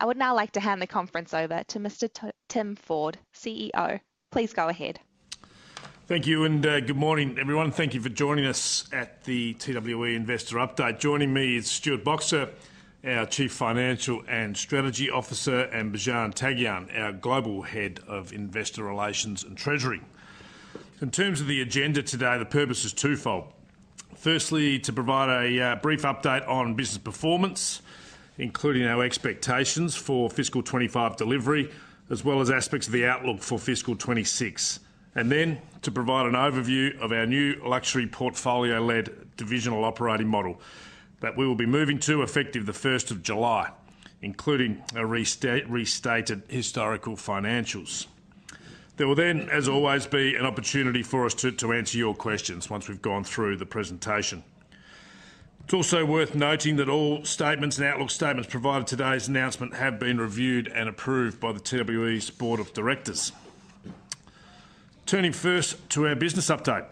I would now like to hand the conference over to Mr. Tim Ford, CEO. Please go ahead. Thank you, and good morning, everyone. Thank you for joining us at the TWE Investor Update. Joining me is Stuart Boxer, our Chief Financial and Strategy Officer, and Bijan Taghian, our Global Head of Investor Relations and Treasury. In terms of the agenda today, the purpose is twofold. Firstly, to provide a brief update on business performance, including our expectations for fiscal 2025 delivery, as well as aspects of the outlook for fiscal 2026, and then to provide an overview of our new luxury portfolio-led divisional operating model that we will be moving to effective the 1st of July, including our restated historical financials. There will then, as always, be an opportunity for us to answer your questions once we've gone through the presentation. It's also worth noting that all statements and outlook statements provided in today's announcement have been reviewed and approved by the TWE Board of Directors. Turning first to our business update,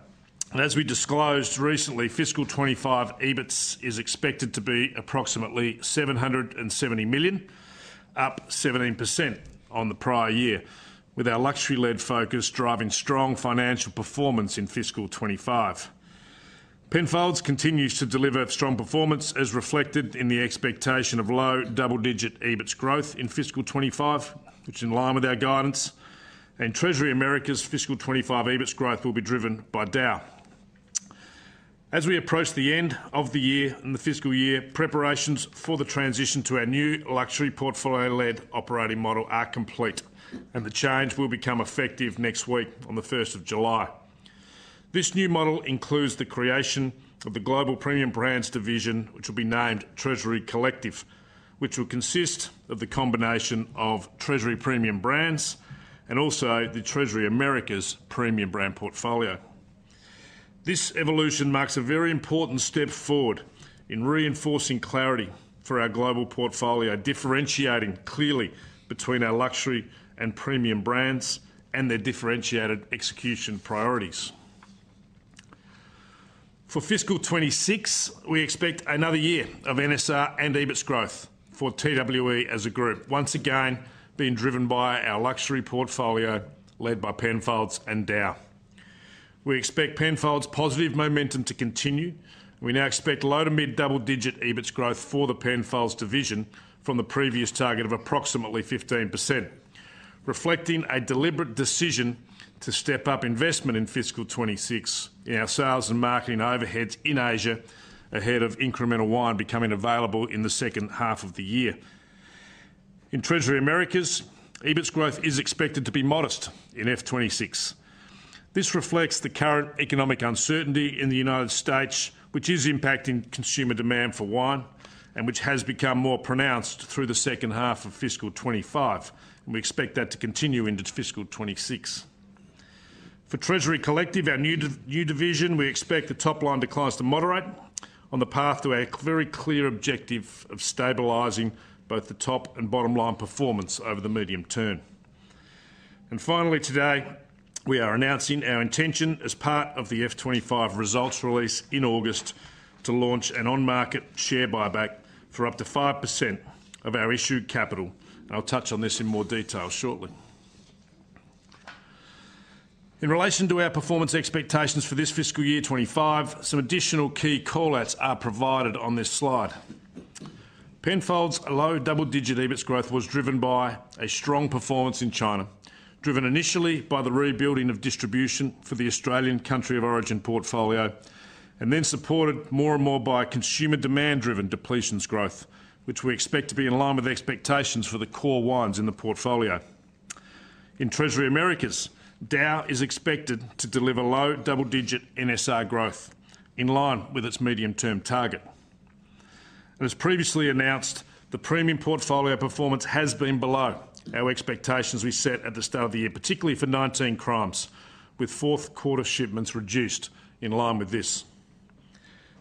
as we disclosed recently, fiscal 2025 EBITs is expected to be approximately $770 million, up 17% on the prior year, with our luxury-led focus driving strong financial performance in fiscal 2025. Penfolds continues to deliver strong performance, as reflected in the expectation of low double-digit EBITs growth in fiscal 2025, which is in line with our guidance, and Treasury Americas' fiscal 2025 EBITs growth will be driven by DAOU. As we approach the end of the year and the fiscal year, preparations for the transition to our new luxury portfolio-led operating model are complete, and the change will become effective next week on the 1st of July. This new model includes the creation of the Global Premium Brands division, which will be named Treasury Collective, which will consist of the combination of Treasury Premium Brands and also the Treasury Americas Premium Brand portfolio. This evolution marks a very important step forward in reinforcing clarity for our global portfolio, differentiating clearly between our luxury and premium brands and their differentiated execution priorities. For fiscal 2026, we expect another year of NSR and EBITs growth for TWE as a group, once again being driven by our luxury portfolio led by Penfolds and DAOU. We expect Penfolds' positive momentum to continue. We now expect low to mid double-digit EBITs growth for the Penfolds division from the previous target of approximately 15%, reflecting a deliberate decision to step up investment in fiscal 2026 in our sales and marketing overheads in Asia ahead of incremental wine becoming available in the second half of the year. In Treasury Americas, EBITs growth is expected to be modest in fiscal 2026. This reflects the current economic uncertainty in the United States, which is impacting consumer demand for wine and which has become more pronounced through the second half of fiscal 2025, and we expect that to continue into fiscal 2026. For Treasury Collective, our new division, we expect the top line declines to moderate on the path to a very clear objective of stabilizing both the top and bottom line performance over the medium term. Finally today, we are announcing our intention as part of the fiscal 2025 results release in August to launch an on-market share buyback for up to 5% of our issued capital, and I'll touch on this in more detail shortly. In relation to our performance expectations for this fiscal year 2025, some additional key callouts are provided on this slide. Penfolds' low double-digit EBITs growth was driven by a strong performance in China, driven initially by the rebuilding of distribution for the Australian country of origin portfolio, and then supported more and more by consumer demand-driven depletions growth, which we expect to be in line with expectations for the core wines in the portfolio. In Treasury Americas, DAOU is expected to deliver low double-digit NSR growth in line with its medium-term target. As previously announced, the premium portfolio performance has been below our expectations we set at the start of the year, particularly for 19 Crimes, with fourth-quarter shipments reduced in line with this.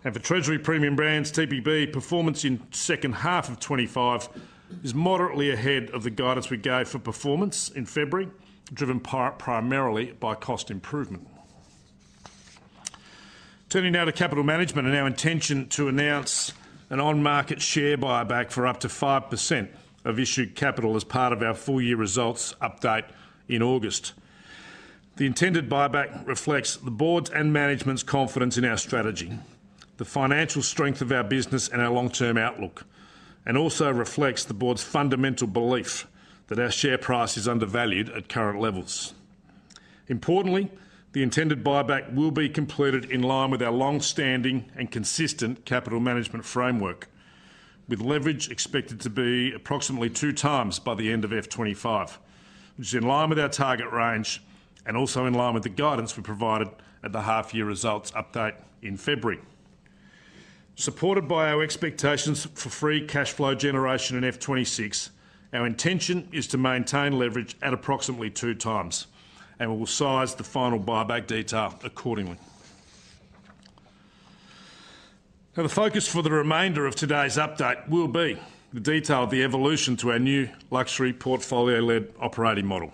For Treasury Premium Brands, TPB performance in the second half of 2025 is moderately ahead of the guidance we gave for performance in February, driven primarily by cost improvement. Turning now to capital management and our intention to announce an on-market share buyback for up to 5% of issued capital as part of our full-year results update in August. The intended buyback reflects the Board's and management's confidence in our strategy, the financial strength of our business, and our long-term outlook, and also reflects the Board's fundamental belief that our share price is undervalued at current levels. Importantly, the intended buyback will be completed in line with our long-standing and consistent capital management framework, with leverage expected to be approximately two times by the end of fiscal 2025, which is in line with our target range and also in line with the guidance we provided at the half-year results update in February. Supported by our expectations for free cash flow generation in F2026, our intention is to maintain leverage at approximately two times, and we will size the final buyback detail accordingly. Now, the focus for the remainder of today's update will be the detail of the evolution to our new luxury portfolio-led operating model.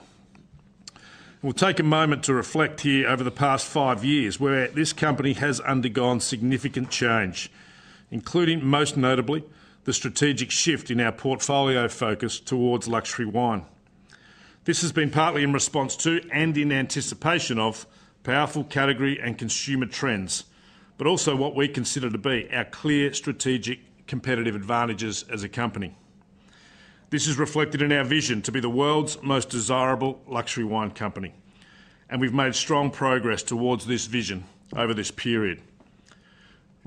We'll take a moment to reflect here over the past five years where this company has undergone significant change, including most notably the strategic shift in our portfolio focus towards luxury wine. This has been partly in response to and in anticipation of powerful category and consumer trends, but also what we consider to be our clear strategic competitive advantages as a company. This is reflected in our vision to be the world's most desirable luxury wine company, and we've made strong progress towards this vision over this period.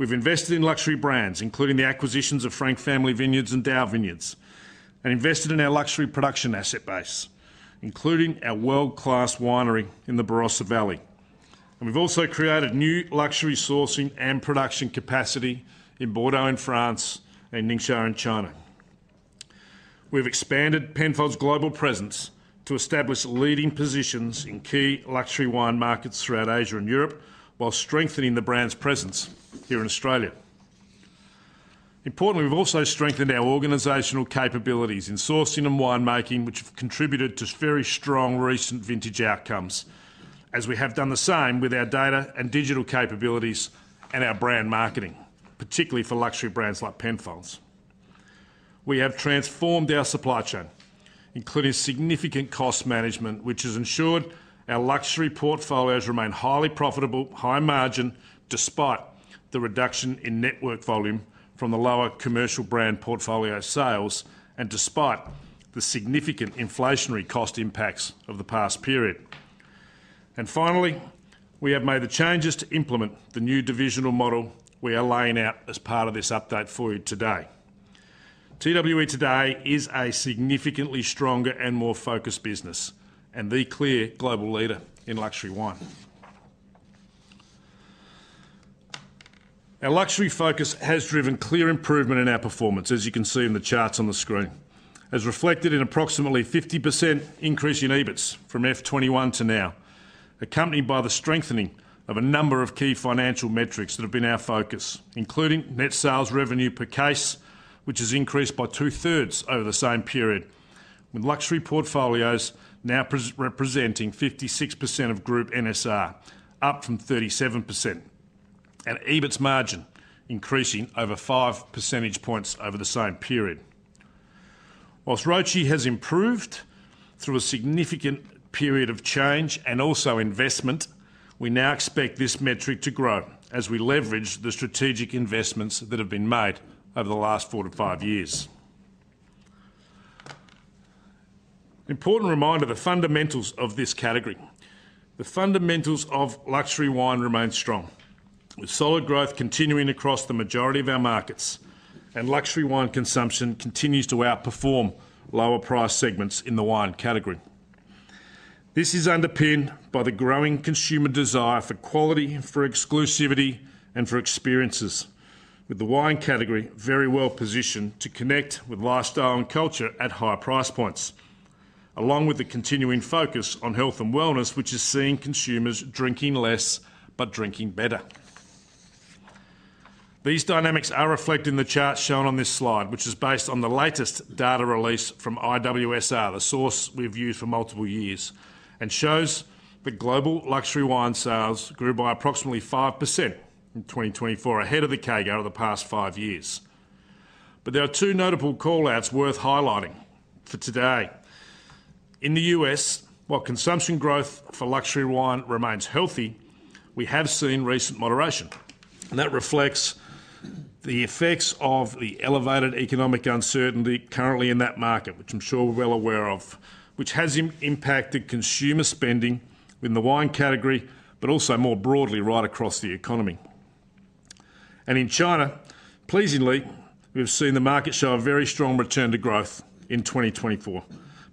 have invested in luxury brands, including the acquisitions of Frank Family Vineyards and DAOU Vineyards, and invested in our luxury production asset base, including our world-class winery in the Barossa Valley. We have also created new luxury sourcing and production capacity in Bordeaux in France and Ningxia in China. We have expanded Penfolds' global presence to establish leading positions in key luxury wine markets throughout Asia and Europe, while strengthening the brand's presence here in Australia. Importantly, we have also strengthened our organizational capabilities in sourcing and winemaking, which have contributed to very strong recent vintage outcomes, as we have done the same with our data and digital capabilities and our brand marketing, particularly for luxury brands like Penfolds. We have transformed our supply chain, including significant cost management, which has ensured our luxury portfolios remain highly profitable, high margin, despite the reduction in network volume from the lower commercial brand portfolio sales, and despite the significant inflationary cost impacts of the past period. Finally, we have made the changes to implement the new divisional model we are laying out as part of this update for you today. TWE today is a significantly stronger and more focused business and the clear global leader in luxury wine. Our luxury focus has driven clear improvement in our performance, as you can see in the charts on the screen, as reflected in approximately 50% increase in EBITs from 2021 to now, accompanied by the strengthening of a number of key financial metrics that have been our focus, including net sales revenue per case, which has increased by two-thirds over the same period, with luxury portfolios now representing 56% of group NSR, up from 37%, and EBITs margin increasing over five percentage points over the same period. Whilst ROCE has improved through a significant period of change and also investment, we now expect this metric to grow as we leverage the strategic investments that have been made over the last four to five years. Important reminder of the fundamentals of this category. The fundamentals of luxury wine remain strong, with solid growth continuing across the majority of our markets, and luxury wine consumption continues to outperform lower-priced segments in the wine category. This is underpinned by the growing consumer desire for quality, for exclusivity, and for experiences, with the wine category very well positioned to connect with lifestyle and culture at high price points, along with the continuing focus on health and wellness, which is seeing consumers drinking less but drinking better. These dynamics are reflected in the chart shown on this slide, which is based on the latest data released from IWSR, the source we have used for multiple years, and shows that global luxury wine sales grew by approximately 5% in 2024, ahead of the CAGR of the past five years. There are two notable callouts worth highlighting for today. In the U.S., while consumption growth for luxury wine remains healthy, we have seen recent moderation, and that reflects the effects of the elevated economic uncertainty currently in that market, which I'm sure we're well aware of, which has impacted consumer spending in the wine category, but also more broadly right across the economy. In China, pleasingly, we've seen the market show a very strong return to growth in 2024,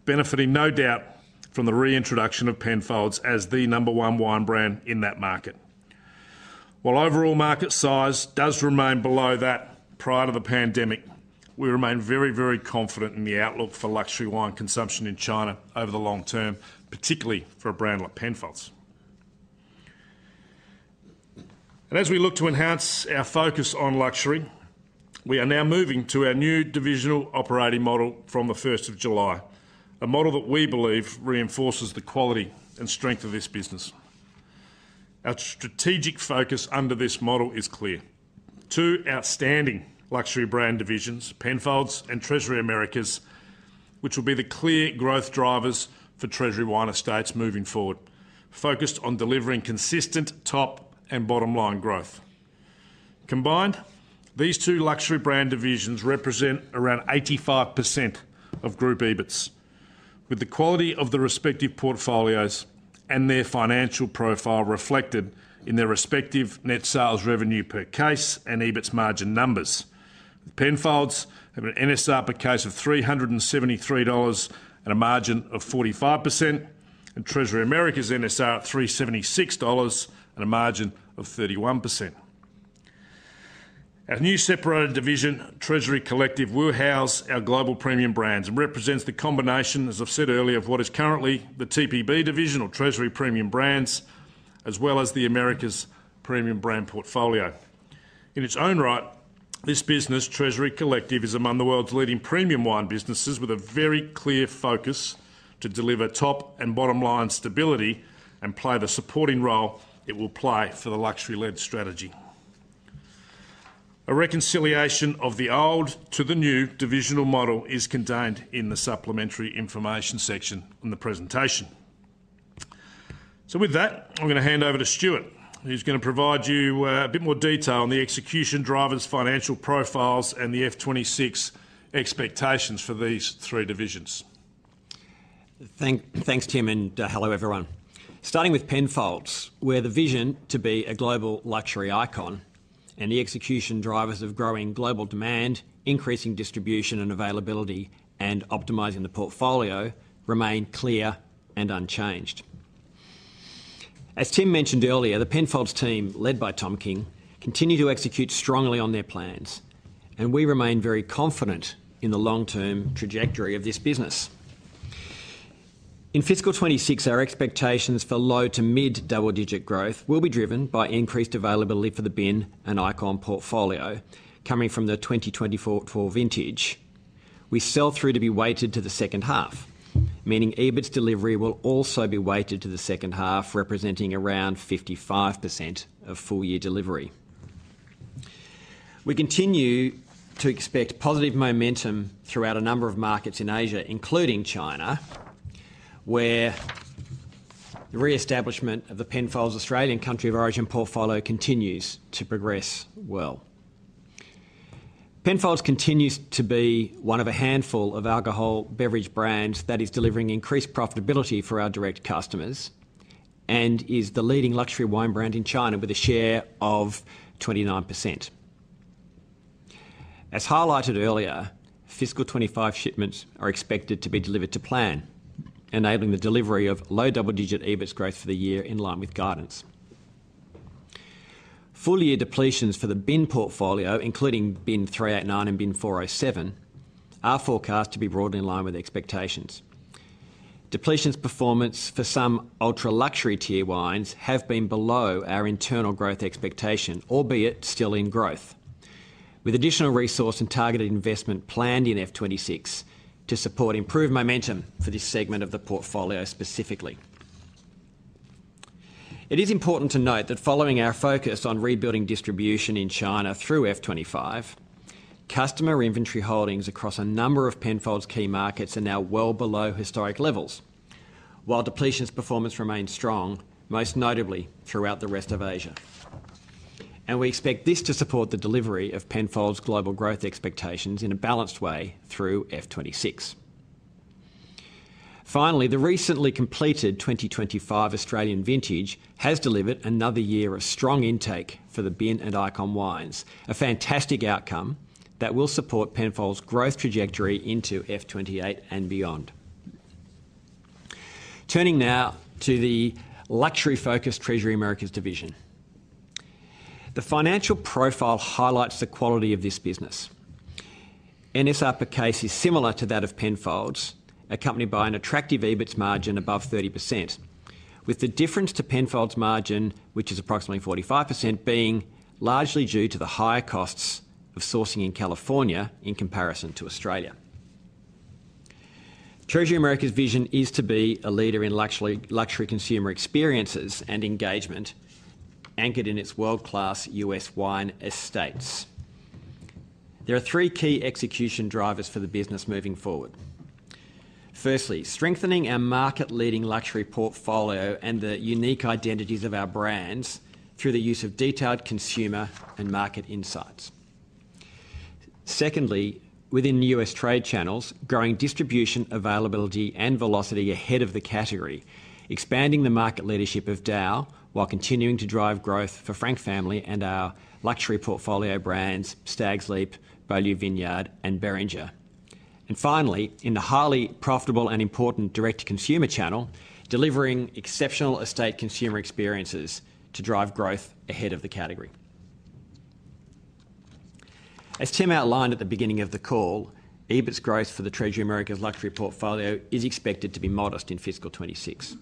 benefiting no doubt from the reintroduction of Penfolds as the number one wine brand in that market. While overall market size does remain below that prior to the pandemic, we remain very, very confident in the outlook for luxury wine consumption in China over the long term, particularly for a brand like Penfolds. As we look to enhance our focus on luxury, we are now moving to our new divisional operating model from the 1st of July, a model that we believe reinforces the quality and strength of this business. Our strategic focus under this model is clear: two outstanding luxury brand divisions, Penfolds and Treasury Americas, which will be the clear growth drivers for Treasury Wine Estates moving forward, focused on delivering consistent top and bottom line growth. Combined, these two luxury brand divisions represent around 85% of group EBITs, with the quality of the respective portfolios and their financial profile reflected in their respective net sales revenue per case and EBITs margin numbers. Penfolds have an NSR per case of $373 and a margin of 45%, and Treasury Americas' NSR at $376 and a margin of 31%. Our new separated division, Treasury Collective, will house our global premium brands and represents the combination, as I've said earlier, of what is currently the TPB division or Treasury Premium Brands, as well as the America's Premium Brand portfolio. In its own right, this business, Treasury Collective, is among the world's leading premium wine businesses, with a very clear focus to deliver top and bottom line stability and play the supporting role it will play for the luxury-led strategy. A reconciliation of the old to the new divisional model is contained in the supplementary information section in the presentation. With that, I'm going to hand over to Stuart, who's going to provide you a bit more detail on the execution drivers, financial profiles, and the F2026 expectations for these three divisions. Thanks, Tim, and hello everyone. Starting with Penfolds, where the vision to be a global luxury icon and the execution drivers of growing global demand, increasing distribution and availability, and optimizing the portfolio remain clear and unchanged. As Tim mentioned earlier, the Penfolds team, led by Tom King, continue to execute strongly on their plans, and we remain very confident in the long-term trajectory of this business. In fiscal 2026, our expectations for low to mid double-digit growth will be driven by increased availability for the bin and icon portfolio coming from the 2024 vintage. We sell through to be weighted to the second half, meaning EBITs delivery will also be weighted to the second half, representing around 55% of full-year delivery. We continue to expect positive momentum throughout a number of markets in Asia, including China, where the reestablishment of the Penfolds Australian country of origin portfolio continues to progress well. Penfolds continues to be one of a handful of alcohol beverage brands that is delivering increased profitability for our direct customers and is the leading luxury wine brand in China with a share of 29%. As highlighted earlier, fiscal 2025 shipments are expected to be delivered to plan, enabling the delivery of low double-digit EBITs growth for the year in line with guidance. Full-year depletions for the bin portfolio, including Bin 389 and Bin 407, are forecast to be broadly in line with expectations. Depletions performance for some ultra-luxury tier wines have been below our internal growth expectation, albeit still in growth, with additional resource and targeted investment planned in F2026 to support improved momentum for this segment of the portfolio specifically. It is important to note that following our focus on rebuilding distribution in China through F25, customer inventory holdings across a number of Penfolds key markets are now well below historic levels, while depletions performance remains strong, most notably throughout the rest of Asia. We expect this to support the delivery of Penfolds' global growth expectations in a balanced way through F2026. Finally, the recently completed 2025 Australian vintage has delivered another year of strong intake for the bin and icon wines, a fantastic outcome that will support Penfolds' growth trajectory into F28 and beyond. Turning now to the luxury-focused Treasury Americas division, the financial profile highlights the quality of this business. NSR per case is similar to that of Penfolds, accompanied by an attractive EBITs margin above 30%, with the difference to Penfolds' margin, which is approximately 45%, being largely due to the higher costs of sourcing in California in comparison to Australia. Treasury Americas' vision is to be a leader in luxury consumer experiences and engagement, anchored in its world-class U.S. wine estates. There are three key execution drivers for the business moving forward. Firstly, strengthening our market-leading luxury portfolio and the unique identities of our brands through the use of detailed consumer and market insights. Secondly, within U.S. trade channels, growing distribution availability and velocity ahead of the category, expanding the market leadership of DAOU while continuing to drive growth for Frank Family and our luxury portfolio brands, Stag's Leap, Beaulieu Vineyard, and Beringer. Finally, in the highly profitable and important direct-to-consumer channel, delivering exceptional estate consumer experiences to drive growth ahead of the category. As Tim outlined at the beginning of the call, EBITs growth for the Treasury Americas luxury portfolio is expected to be modest in fiscal 2026.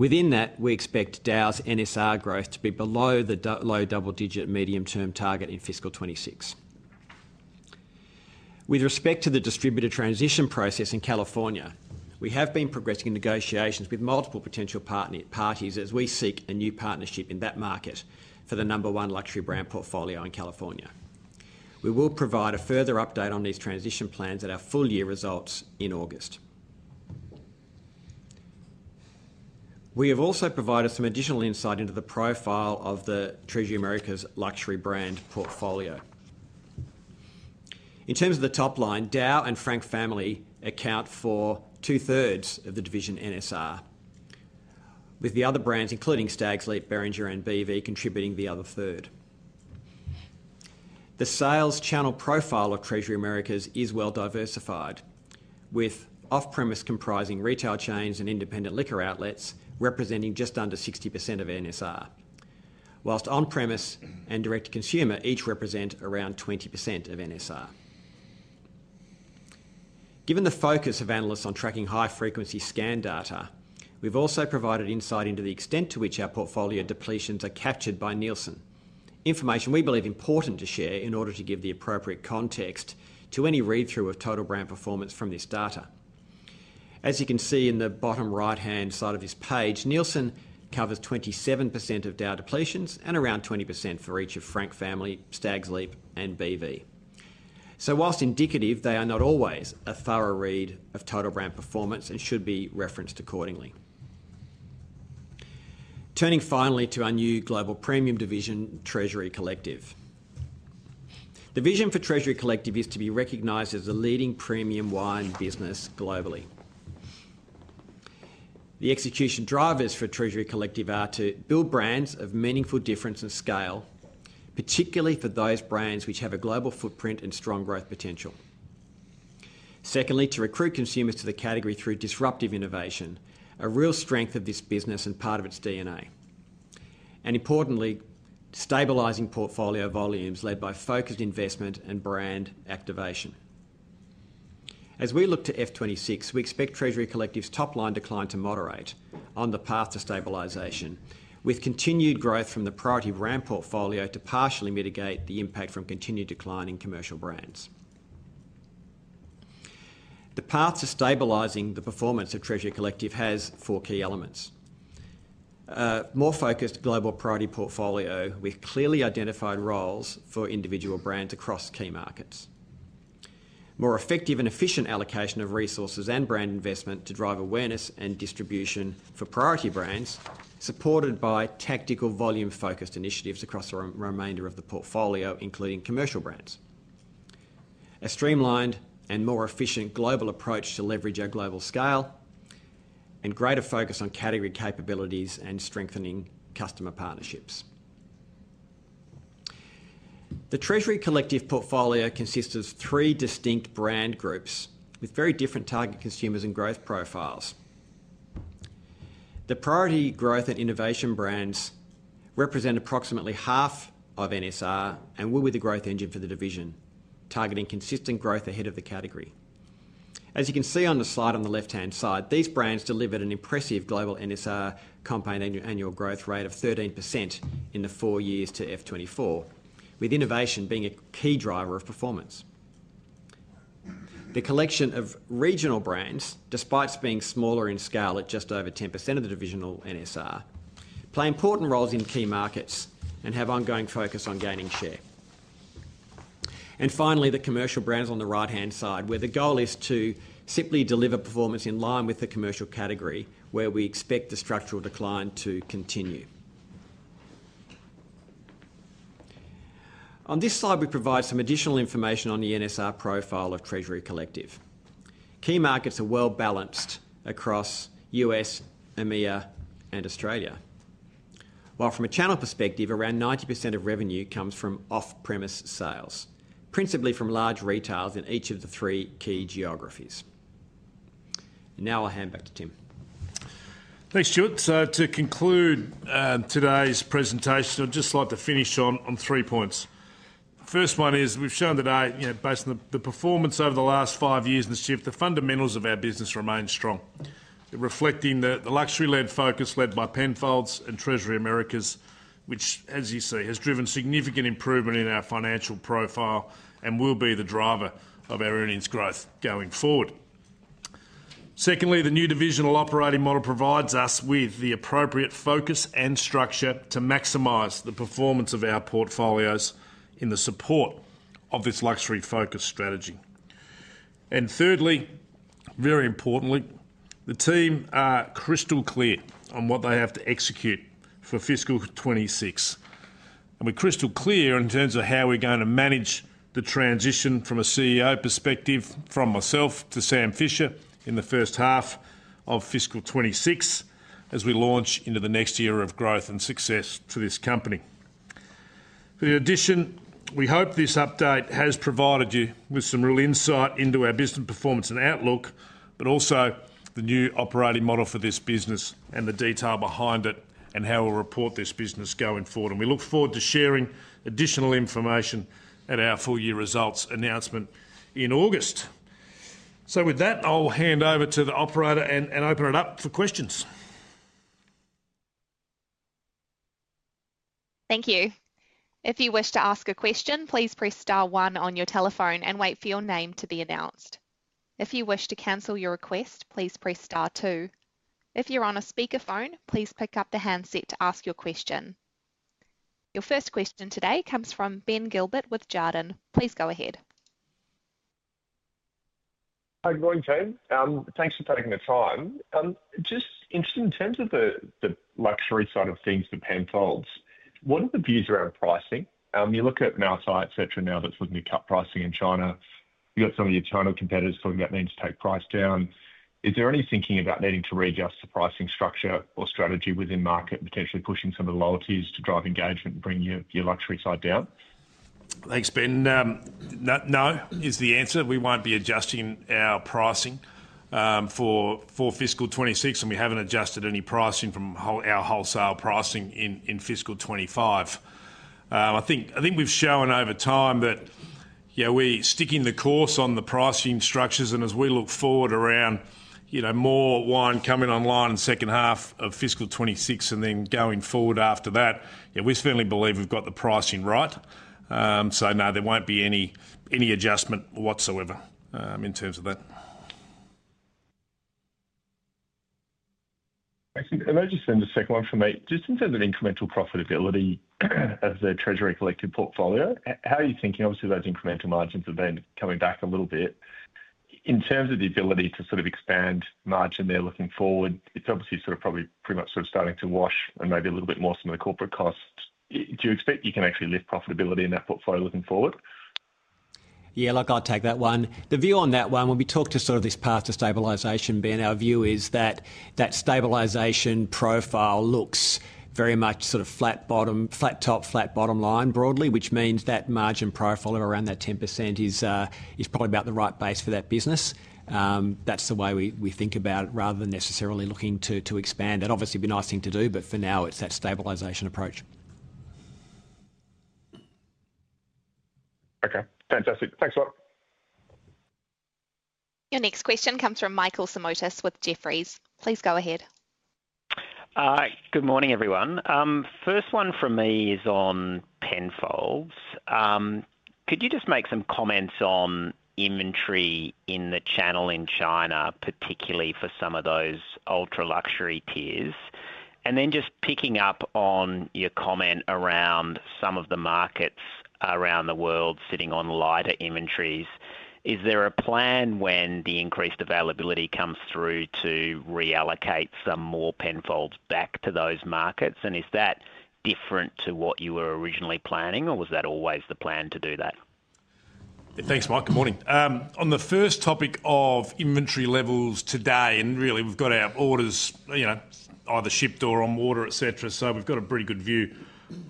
Within that, we expect DAOU's NSR growth to be below the low double-digit medium-term target in fiscal 2026. With respect to the distributor transition process in California, we have been progressing in negotiations with multiple potential parties as we seek a new partnership in that market for the number one luxury brand portfolio in California. We will provide a further update on these transition plans at our full-year results in August. We have also provided some additional insight into the profile of the Treasury Americas luxury brand portfolio. In terms of the top line, DAOU and Frank Family account for two-thirds of the division NSR, with the other brands, including Stags Leap, Beringer, and BV, contributing the other third. The sales channel profile of Treasury Americas is well diversified, with off-premise comprising retail chains and independent liquor outlets representing just under 60% of NSR, whilst on-premise and direct-to-consumer each represent around 20% of NSR. Given the focus of analysts on tracking high-frequency scan data, we've also provided insight into the extent to which our portfolio depletions are captured by Nielsen, information we believe important to share in order to give the appropriate context to any read-through of total brand performance from this data. As you can see in the bottom right-hand side of this page, Nielsen covers 27% of DAOU depletions and around 20% for each of Frank Family, Stag's Leap, and BV. So whilst indicative, they are not always a thorough read of total brand performance and should be referenced accordingly. Turning finally to our new global premium division, Treasury Collective. The vision for Treasury Collective is to be recognized as a leading premium wine business globally. The execution drivers for Treasury Collective are to build brands of meaningful difference and scale, particularly for those brands which have a global footprint and strong growth potential. Secondly, to recruit consumers to the category through disruptive innovation, a real strength of this business and part of its D&I. And importantly, stabilizing portfolio volumes led by focused investment and brand activation. As we look to F2026, we expect Treasury Collective's top line decline to moderate on the path to stabilization, with continued growth from the priority brand portfolio to partially mitigate the impact from continued decline in commercial brands. The path to stabilizing the performance of Treasury Collective has four key elements: more focused global priority portfolio with clearly identified roles for individual brands across key markets, more effective and efficient allocation of resources and brand investment to drive awareness and distribution for priority brands, supported by tactical volume-focused initiatives across the remainder of the portfolio, including commercial brands, a streamlined and more efficient global approach to leverage our global scale, and greater focus on category capabilities and strengthening customer partnerships. The Treasury Collective portfolio consists of three distinct brand groups with very different target consumers and growth profiles. The priority growth and innovation brands represent approximately half of NSR and will be the growth engine for the division, targeting consistent growth ahead of the category. As you can see on the slide on the left-hand side, these brands delivered an impressive global NSR compound annual growth rate of 13% in the four years to 2024, with innovation being a key driver of performance. The collection of regional brands, despite being smaller in scale at just over 10% of the divisional NSR, play important roles in key markets and have ongoing focus on gaining share. Finally, the commercial brands on the right-hand side, where the goal is to simply deliver performance in line with the commercial category, where we expect the structural decline to continue. On this slide, we provide some additional information on the NSR profile of Treasury Collective. Key markets are well balanced across U.S., EMEA, and Australia, while from a channel perspective, around 90% of revenue comes from off-premise sales, principally from large retails in each of the three key geographies. I will now hand back to Tim. Thanks, Stuart. To conclude today's presentation, I'd just like to finish on three points. The first one is we've shown today, based on the performance over the last five years in the shift, the fundamentals of our business remain strong, reflecting the luxury-led focus led by Penfolds and Treasury Americas, which, as you see, has driven significant improvement in our financial profile and will be the driver of our earnings growth going forward. Secondly, the new divisional operating model provides us with the appropriate focus and structure to maximize the performance of our portfolios in the support of this luxury-focused strategy. Thirdly, very importantly, the team are crystal clear on what they have to execute for fiscal 2026. We are crystal clear in terms of how we are going to manage the transition from a CEO perspective, from myself to Sam Fischer, in the first half of fiscal 2026 as we launch into the next year of growth and success for this company. In addition, we hope this update has provided you with some real insight into our business performance and outlook, but also the new operating model for this business and the detail behind it and how we will report this business going forward. We look forward to sharing additional information at our full-year results announcement in August. With that, I will hand over to the operator and open it up for questions. Thank you. If you wish to ask a question, please press star one on your telephone and wait for your name to be announced. If you wish to cancel your request, please press star two. If you're on a speakerphone, please pick up the handset to ask your question. Your first question today comes from Ben Gilbert with Jarden. Please go ahead. Hi, good morning, Tim. Thanks for taking the time. Just interesting in terms of the luxury side of things for Penfolds, what are the views around pricing? You look at Mautai, etc., now that's looking to cut pricing in China. You've got some of your China competitors talking about needing to take price down. Is there any thinking about needing to readjust the pricing structure or strategy within market, potentially pushing some of the loyalties to drive engagement and bring your luxury side down? Thanks, Ben. No is the answer. We won't be adjusting our pricing for fiscal 2026, and we haven't adjusted any pricing from our wholesale pricing in fiscal 2025. I think we've shown over time that we're sticking the course on the pricing structures. As we look forward around more wine coming online in the second half of fiscal 2026 and then going forward after that, we certainly believe we've got the pricing right. No, there won't be any adjustment whatsoever in terms of that. Thanks. I'll just send a second one from me. Just in terms of incremental profitability of the Treasury Collective portfolio, how are you thinking? Obviously, those incremental margins have been coming back a little bit. In terms of the ability to sort of expand margin there looking forward, it's obviously sort of probably pretty much sort of starting to wash and maybe a little bit more some of the corporate costs. Do you expect you can actually lift profitability in that portfolio looking forward? Yeah, I'll take that one. The view on that one, when we talk to sort of this path to stabilization, Ben, our view is that that stabilization profile looks very much sort of flat top, flat bottom line broadly, which means that margin profile of around that 10% is probably about the right base for that business. That's the way we think about it rather than necessarily looking to expand. That'd obviously be a nice thing to do, but for now, it's that stabilization approach. Okay. Fantastic. Thanks a lot. Your next question comes from Michael Simotas with Jefferies. Please go ahead. Good morning, everyone. First one from me is on Penfolds. Could you just make some comments on inventory in the channel in China, particularly for some of those ultra-luxury tiers? Then just picking up on your comment around some of the markets around the world sitting on lighter inventories, is there a plan when the increased availability comes through to reallocate some more Penfolds back to those markets? Is that different to what you were originally planning, or was that always the plan to do that? Thanks, Mike. Good morning. On the first topic of inventory levels today, and really we've got our orders either shipped or on water, etc., so we've got a pretty good view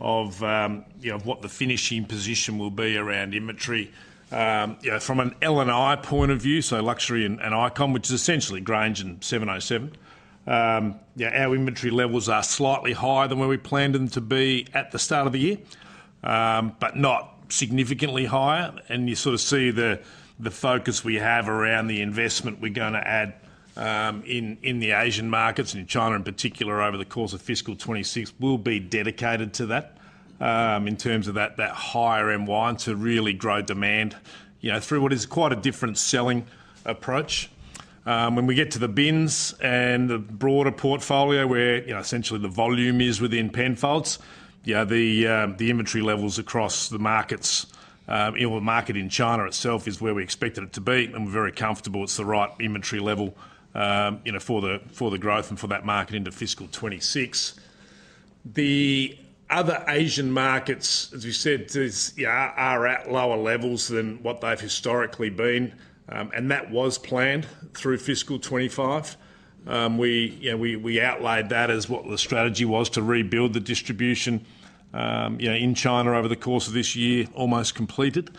of what the finishing position will be around inventory. From an L&I point of view, so luxury and Icon, which is essentially Grange and 707, our inventory levels are slightly higher than where we planned them to be at the start of the year, but not significantly higher. You sort of see the focus we have around the investment we're going to add in the Asian markets and in China in particular over the course of fiscal 2026 will be dedicated to that in terms of that higher-end wine to really grow demand through what is quite a different selling approach. When we get to the bins and the broader portfolio where essentially the volume is within Penfolds, the inventory levels across the markets, market in China itself is where we expected it to be, and we're very comfortable it's the right inventory level for the growth and for that market into fiscal 2026. The other Asian markets, as we said, are at lower levels than what they've historically been, and that was planned through fiscal 2025. We outlaid that as what the strategy was to rebuild the distribution in China over the course of this year. Almost completed,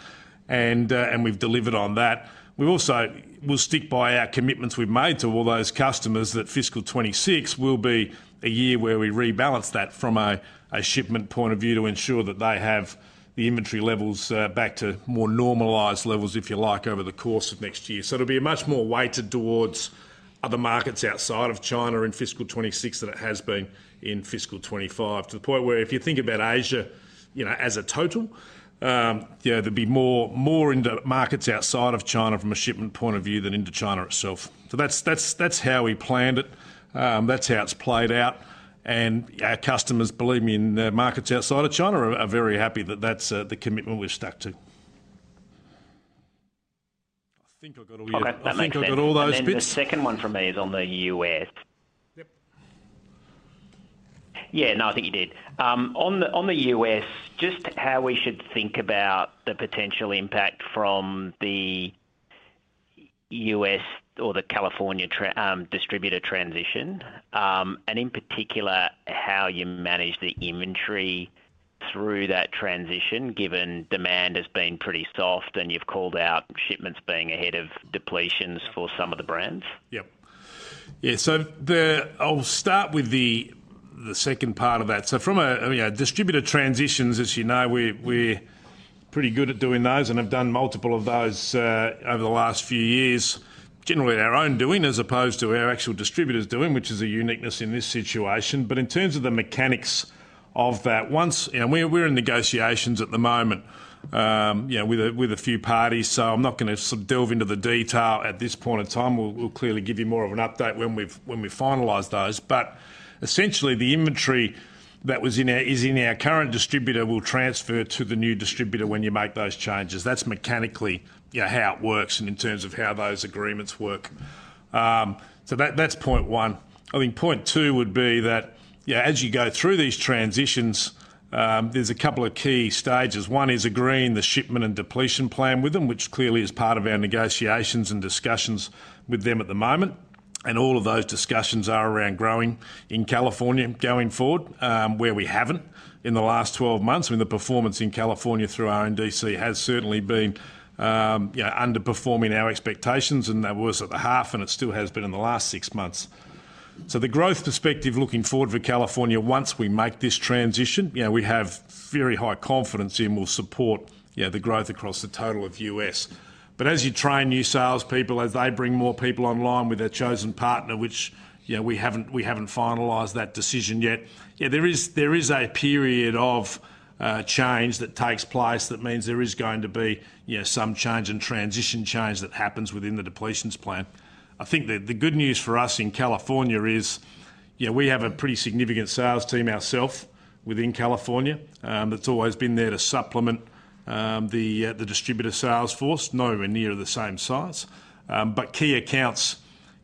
and we've delivered on that. We also will stick by our commitments we've made to all those customers that fiscal 2026 will be a year where we rebalance that from a shipment point of view to ensure that they have the inventory levels back to more normalized levels, if you like, over the course of next year. It will be much more weighted towards other markets outside of China in fiscal 2026 than it has been in fiscal 2025, to the point where if you think about Asia as a total, there will be more into markets outside of China from a shipment point of view than into China itself. That is how we planned it. That is how it has played out. Our customers, believe me, in the markets outside of China are very happy that that is the commitment we've stuck to. I think I've got all your questions. I think I've got all those bits. The second one from me is on the U.S. Yep. Yeah, no, I think you did. On the U.S., just how we should think about the potential impact from the U.S. or the California distributor transition, and in particular how you manage the inventory through that transition, given demand has been pretty soft and you've called out shipments being ahead of depletions for some of the brands. Yep. Yeah, so I'll start with the second part of that. From a distributor transitions, as you know, we're pretty good at doing those, and have done multiple of those over the last few years, generally our own doing as opposed to our actual distributors doing, which is a uniqueness in this situation. In terms of the mechanics of that, we're in negotiations at the moment with a few parties, so I'm not going to sort of delve into the detail at this point in time. We'll clearly give you more of an update when we finalize those. Essentially, the inventory that is in our current distributor will transfer to the new distributor when you make those changes. That's mechanically how it works and in terms of how those agreements work. That's point one. I think point two would be that as you go through these transitions, there's a couple of key stages. One is agreeing the shipment and depletion plan with them, which clearly is part of our negotiations and discussions with them at the moment. All of those discussions are around growing in California going forward, where we haven't in the last 12 months. I mean, the performance in California through our RNDC has certainly been underperforming our expectations, and that was at the half, and it still has been in the last six months. The growth perspective looking forward for California, once we make this transition, we have very high confidence in, will support the growth across the total of U.S. As you train new salespeople, as they bring more people online with their chosen partner, which we have not finalized that decision yet, there is a period of change that takes place that means there is going to be some change and transition change that happens within the depletions plan. I think the good news for us in California is we have a pretty significant sales team ourself within California that has always been there to supplement the distributor sales force. Nowhere near the same size. But key accounts,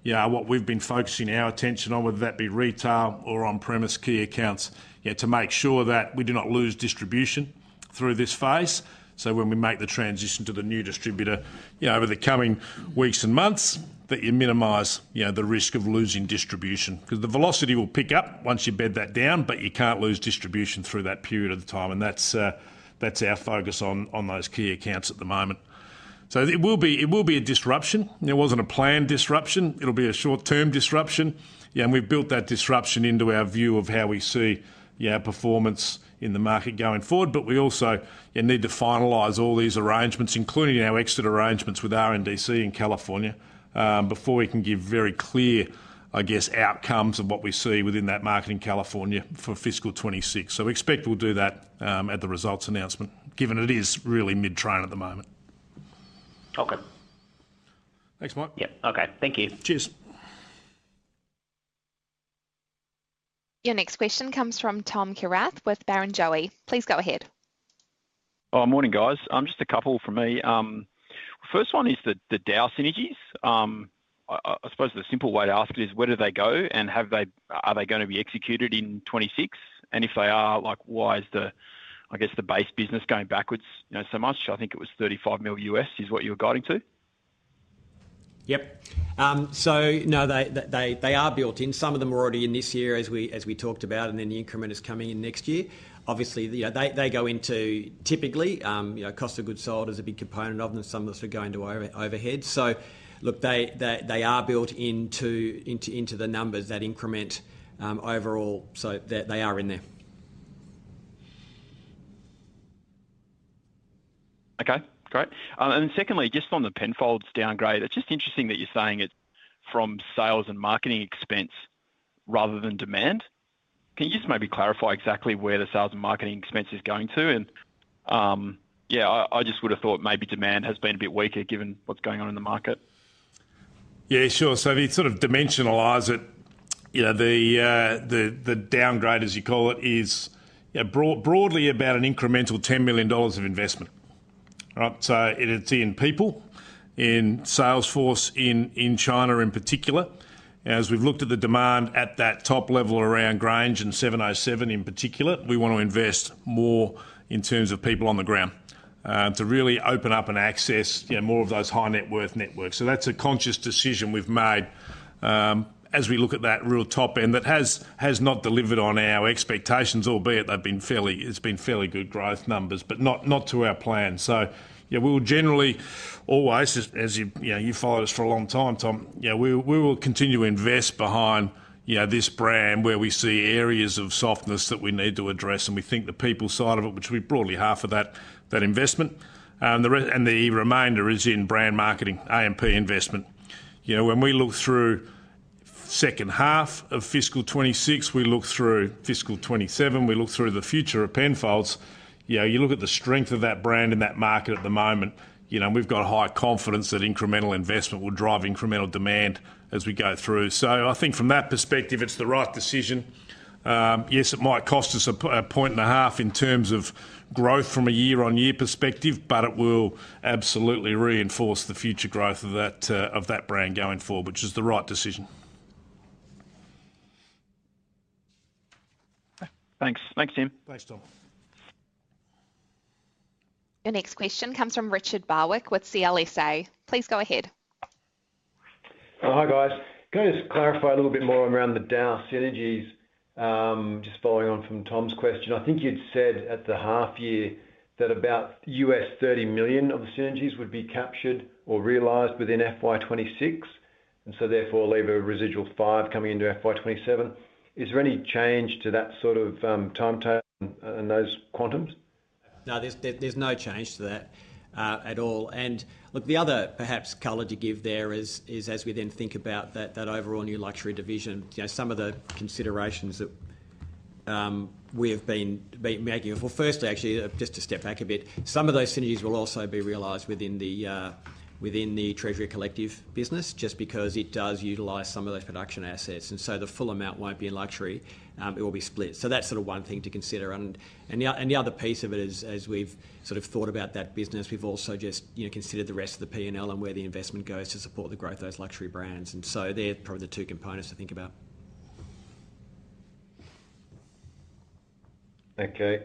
what we have been focusing our attention on, whether that be retail or on-premise key accounts, to make sure that we do not lose distribution through this phase. When we make the transition to the new distributor over the coming weeks and months, you minimize the risk of losing distribution because the velocity will pick up once you bed that down, but you cannot lose distribution through that period of time. That is our focus on those key accounts at the moment. It will be a disruption. It was not a planned disruption. It will be a short-term disruption. We have built that disruption into our view of how we see our performance in the market going forward. We also need to finalize all these arrangements, including our exit arrangements with our RNDC in California, before we can give very clear, I guess, outcomes of what we see within that market in California for fiscal 2026. We expect we will do that at the results announcement, given it is really mid-train at the moment. Okay. Thanks, Mike. Yep. Okay. Thank you. Cheers. Your next question comes from Tom Kierath with Barrenjoey. Please go ahead. Oh, morning, guys. Just a couple from me. The first one is the DAOU synergies. I suppose the simple way to ask it is, where do they go and are they going to be executed in 2026? And if they are, why is the, I guess, the base business going backwards so much? I think it was $35 million is what you were guiding to. Yep. No, they are built in. Some of them are already in this year, as we talked about, and then the increment is coming in next year. Obviously, they go into typically, cost of goods sold is a big component of them. Some of us are going to overhead. Look, they are built into the numbers, that increment overall, so they are in there. Okay. Great. Then secondly, just on the Penfolds downgrade, it's just interesting that you're saying it's from sales and marketing expense rather than demand. Can you just maybe clarify exactly where the sales and marketing expense is going to? Yeah, I just would have thought maybe demand has been a bit weaker given what's going on in the market. Yeah, sure. If you sort of dimensionalize it, the downgrade, as you call it, is broadly about an incremental $10 million of investment. It is in people, in sales force in China in particular. As we have looked at the demand at that top level around Grange and 707 in particular, we want to invest more in terms of people on the ground to really open up and access more of those high-net-worth networks. That is a conscious decision we have made as we look at that real top end that has not delivered on our expectations, albeit it has been fairly good growth numbers, but not to our plan. We will generally always, as you have followed us for a long time, Tom, continue to invest behind this brand where we see areas of softness that we need to address. We think the people side of it, which we broadly half of that investment, and the remainder is in brand marketing, A&P investment. When we look through second half of fiscal 2026, we look through fiscal 2027, we look through the future of Penfolds, you look at the strength of that brand in that market at the moment, and we've got high confidence that incremental investment will drive incremental demand as we go through. I think from that perspective, it's the right decision. Yes, it might cost us a point and a half in terms of growth from a year-on-year perspective, but it will absolutely reinforce the future growth of that brand going forward, which is the right decision. Thanks. Thanks, Tim. Thanks, Tom. Your next question comes from Richard Barwick with CLSA. Please go ahead. Hi, guys. Can I just clarify a little bit more around the DAOU synergies, just following on from Tom's question. I think you'd said at the half year that about $30 million of the synergies would be captured or realized within FY 2026, and so therefore leave a residual five coming into FY 2027. Is there any change to that sort of timetable and those quantums? No, there's no change to that at all. Look, the other perhaps color to give there is as we then think about that overall new luxury division, some of the considerations that we have been making. Firstly, actually, just to step back a bit, some of those synergies will also be realized within the Treasury Collective business just because it does utilize some of those production assets. The full amount will not be in luxury. It will be split. That is sort of one thing to consider. The other piece of it is, as we've sort of thought about that business, we've also just considered the rest of the P&L and where the investment goes to support the growth of those luxury brands. They are probably the two components to think about. Okay.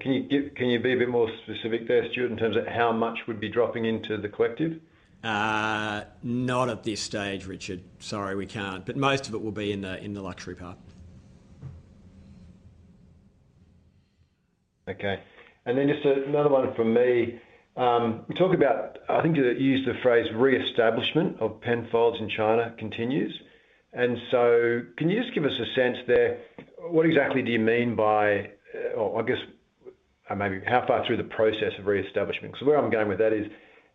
Can you be a bit more specific there, Stuart, in terms of how much would be dropping into the collective? Not at this stage, Richard. Sorry, we can't. Most of it will be in the luxury part. Okay. And then just another one from me. We talk about, I think you used the phrase reestablishment of Penfolds in China continues. Can you just give us a sense there? What exactly do you mean by, or I guess maybe how far through the process of reestablishment? Because where I'm going with that is,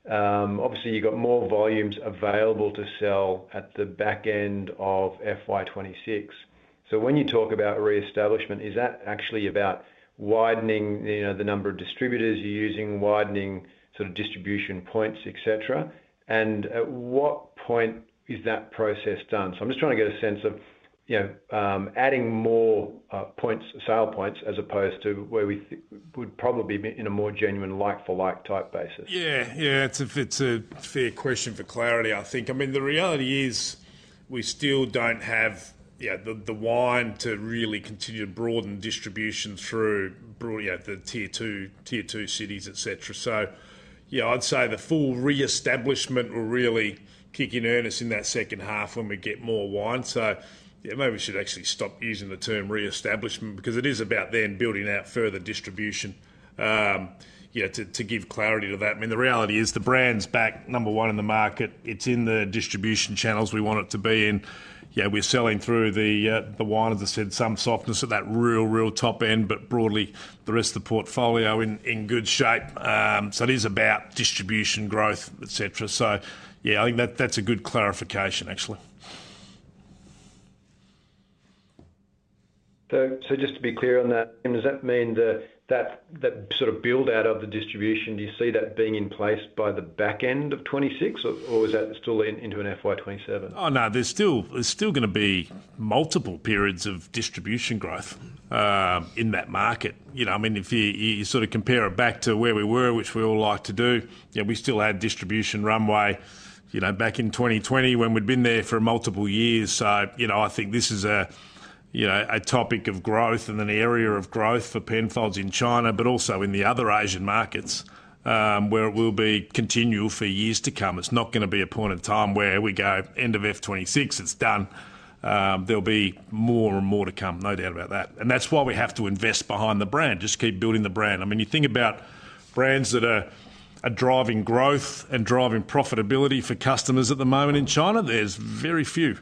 obviously, you've got more volumes available to sell at the back end of FY 2026. When you talk about reestablishment, is that actually about widening the number of distributors you're using, widening sort of distribution points, etc.? At what point is that process done? I'm just trying to get a sense of adding more sale points as opposed to where we would probably be in a more genuine like-for-like type basis. Yeah. Yeah. It's a fair question for clarity, I think. I mean, the reality is we still don't have the wine to really continue to broaden distribution through the tier two cities, etc. Yeah, I'd say the full reestablishment will really kick in earnest in that second half when we get more wine. Maybe we should actually stop using the term reestablishment because it is about then building out further distribution to give clarity to that. I mean, the reality is the brand's back number one in the market. It's in the distribution channels we want it to be in. We're selling through the wine, as I said, some softness at that real, real top end, but broadly the rest of the portfolio in good shape. It is about distribution growth, etc. Yeah, I think that's a good clarification, actually. Just to be clear on that, Tim, does that mean that sort of build-out of the distribution, do you see that being in place by the back end of 2026, or is that still into an FY 2027? Oh, no. There's still going to be multiple periods of distribution growth in that market. I mean, if you sort of compare it back to where we were, which we all like to do, we still had distribution runway back in 2020 when we'd been there for multiple years. I think this is a topic of growth and an area of growth for Penfolds in China, but also in the other Asian markets where it will be continual for years to come. It's not going to be a point in time where, here we go, end of F2026, it's done. There will be more and more to come, no doubt about that. That's why we have to invest behind the brand, just keep building the brand. I mean, you think about brands that are driving growth and driving profitability for customers at the moment in China, there's very few.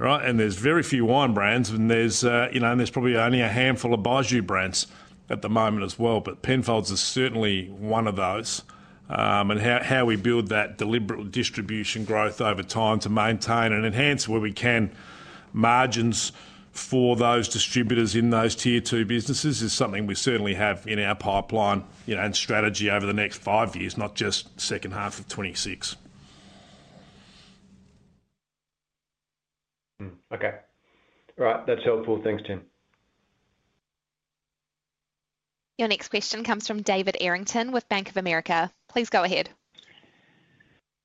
There are very few wine brands, and there are probably only a handful of Baijiu brands at the moment as well. Penfolds is certainly one of those. How we build that deliberate distribution growth over time to maintain and enhance where we can margins for those distributors in those tier two businesses is something we certainly have in our pipeline and strategy over the next five years, not just the second half of 2026. Okay. All right. That's helpful. Thanks, Tim. Your next question comes from David Errington with Bank of America. Please go ahead.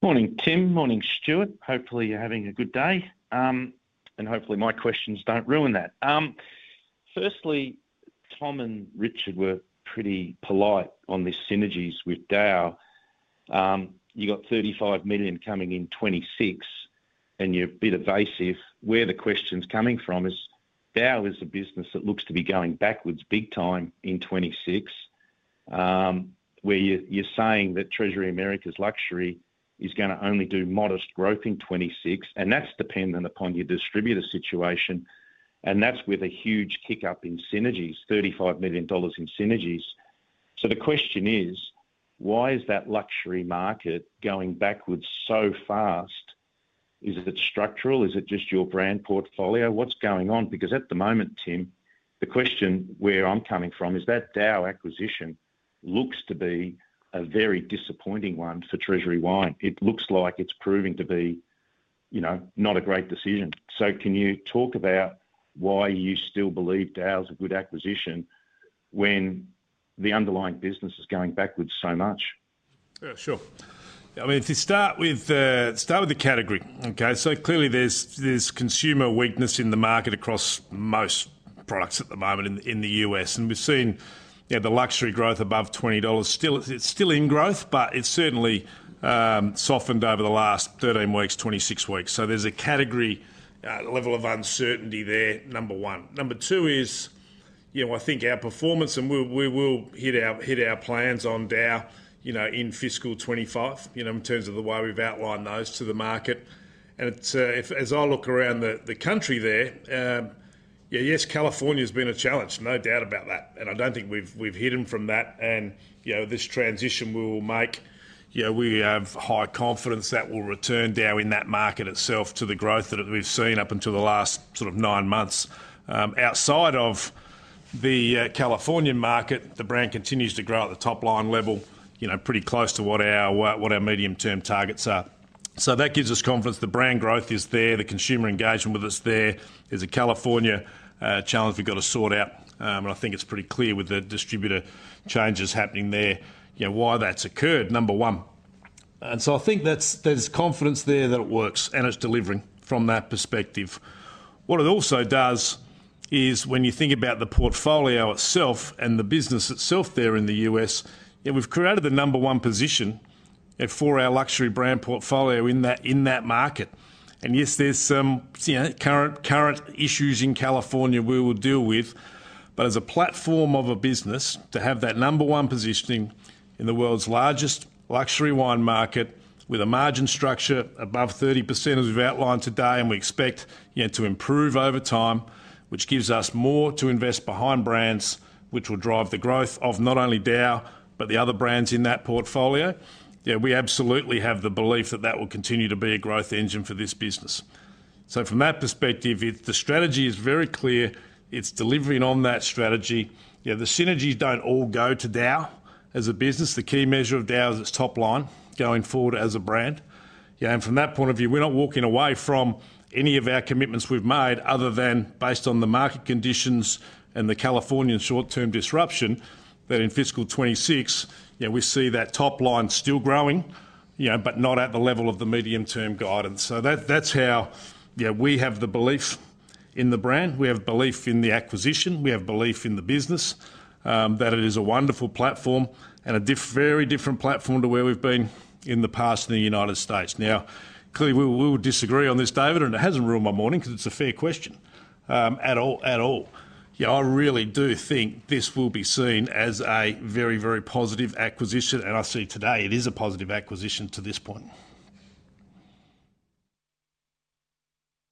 Morning, Tim. Morning, Stuart. Hopefully, you're having a good day. Hopefully, my questions do not ruin that. Firstly, Tom and Richard were pretty polite on the synergies with DAOU. You have $35 million coming in 2026, and you are a bit evasive. Where the question is coming from is DAOU is a business that looks to be going backwards big time in 2026, where you are saying that Treasury Americas luxury is going to only do modest growth in 2026. That is dependent upon your distributor situation. That is with a huge kick-up in synergies, $35 million in synergies. The question is, why is that luxury market going backwards so fast? Is it structural? Is it just your brand portfolio? What is going on? Because at the moment, Tim, the question where I am coming from is that DAOU acquisition looks to be a very disappointing one for Treasury Wine. It looks like it's proving to be not a great decision. Can you talk about why you still believe DAOU's a good acquisition when the underlying business is going backwards so much? Yeah, sure. I mean, to start with the category, okay, so clearly there is consumer weakness in the market across most products at the moment in the US. We have seen the luxury growth above $20. It is still in growth, but it has certainly softened over the last 13 weeks, 26 weeks. There is a category level of uncertainty there, number one. Number two is, I think our performance, and we will hit our plans on DAOU in fiscal 2025 in terms of the way we have outlined those to the market. As I look around the country there, yes, California has been a challenge, no doubt about that. I do not think we have hidden from that. This transition will make us have high confidence that we will return DAOU in that market itself to the growth that we have seen up until the last sort of nine months. Outside of the California market, the brand continues to grow at the top line level, pretty close to what our medium-term targets are. That gives us confidence. The brand growth is there. The consumer engagement with us is there. There is a California challenge we've got to sort out. I think it's pretty clear with the distributor changes happening there why that's occurred, number one. I think there's confidence there that it works and it's delivering from that perspective. What it also does is when you think about the portfolio itself and the business itself there in the U.S., we've created the number one position for our luxury brand portfolio in that market. Yes, there are some current issues in California we will deal with. As a platform of a business, to have that number one positioning in the world's largest luxury wine market with a margin structure above 30%, as we've outlined today, and we expect to improve over time, which gives us more to invest behind brands, which will drive the growth of not only DAOU, but the other brands in that portfolio, we absolutely have the belief that that will continue to be a growth engine for this business. From that perspective, the strategy is very clear. It's delivering on that strategy. The synergies do not all go to DAOU as a business. The key measure of DAOU is its top line going forward as a brand. From that point of view, we're not walking away from any of our commitments we've made other than based on the market conditions and the California short-term disruption that in fiscal 2026, we see that top line still growing, but not at the level of the medium-term guidance. That is how we have the belief in the brand. We have belief in the acquisition. We have belief in the business that it is a wonderful platform and a very different platform to where we've been in the past in the United States. Now, clearly, we will disagree on this, David, and it hasn't ruined my morning because it's a fair question at all. I really do think this will be seen as a very, very positive acquisition. I see today it is a positive acquisition to this point.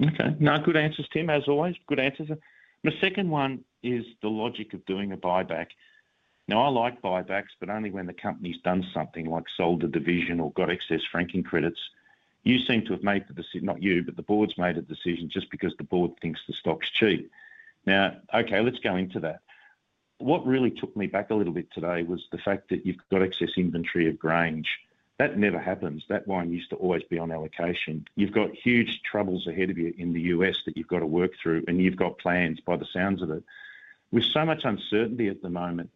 Okay. No, good answers, Tim, as always. Good answers. The second one is the logic of doing a buyback. Now, I like buybacks, but only when the company's done something like sold a division or got excess franking credits. You seem to have made the decision, not you, but the board's made a decision just because the board thinks the stock's cheap. Now, okay, let's go into that. What really took me back a little bit today was the fact that you've got excess inventory of Grange. That never happens. That wine used to always be on allocation. You've got huge troubles ahead of you in the U.S. that you've got to work through, and you've got plans, by the sounds of it. With so much uncertainty at the moment,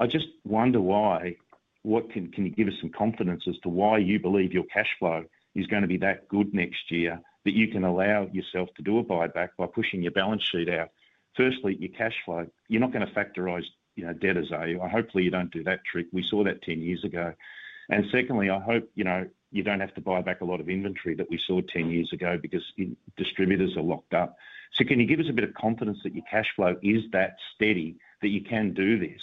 I just wonder why can you give us some confidence as to why you believe your cash flow is going to be that good next year that you can allow yourself to do a buyback by pushing your balance sheet out? Firstly, your cash flow, you're not going to factorize debt as a. Hopefully, you don't do that trick. We saw that 10 years ago. And secondly, I hope you don't have to buy back a lot of inventory that we saw 10 years ago because distributors are locked up. So can you give us a bit of confidence that your cash flow is that steady, that you can do this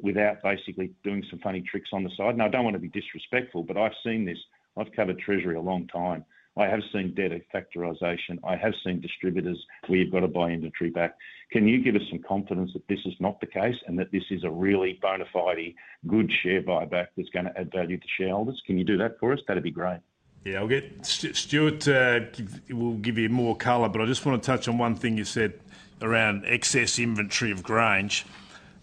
without basically doing some funny tricks on the side? Now, I don't want to be disrespectful, but I've seen this. I've covered Treasury a long time. I have seen debt factorization. I have seen distributors where you have got to buy inventory back. Can you give us some confidence that this is not the case and that this is a really bona fide good share buyback that is going to add value to shareholders? Can you do that for us? That would be great. Yeah. Stuart will give you more color, but I just want to touch on one thing you said around excess inventory of Grange.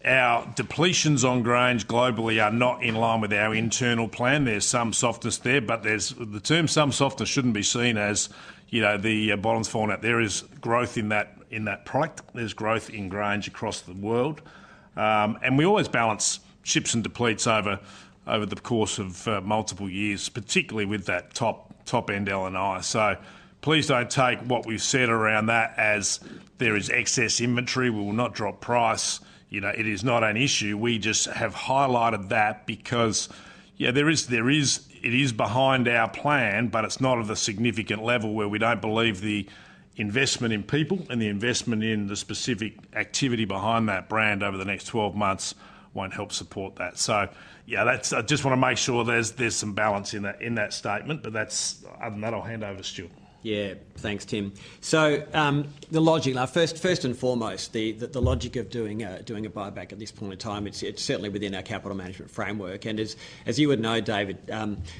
Our depletions on Grange globally are not in line with our internal plan. There's some softness there, but the term some softness shouldn't be seen as the bottom's falling out. There is growth in that product. There's growth in Grange across the world. We always balance ships and depletes over the course of multiple years, particularly with that top-end L&I. Please don't take what we've said around that as there is excess inventory. We will not drop price. It is not an issue. We just have highlighted that because it is behind our plan, but it's not at a significant level where we don't believe the investment in people and the investment in the specific activity behind that brand over the next 12 months won't help support that. Yeah, I just want to make sure there's some balance in that statement. Other than that, I'll hand over, Stuart. Yeah. Thanks, Tim. The logic, first and foremost, the logic of doing a buyback at this point in time, it's certainly within our capital management framework. As you would know, David,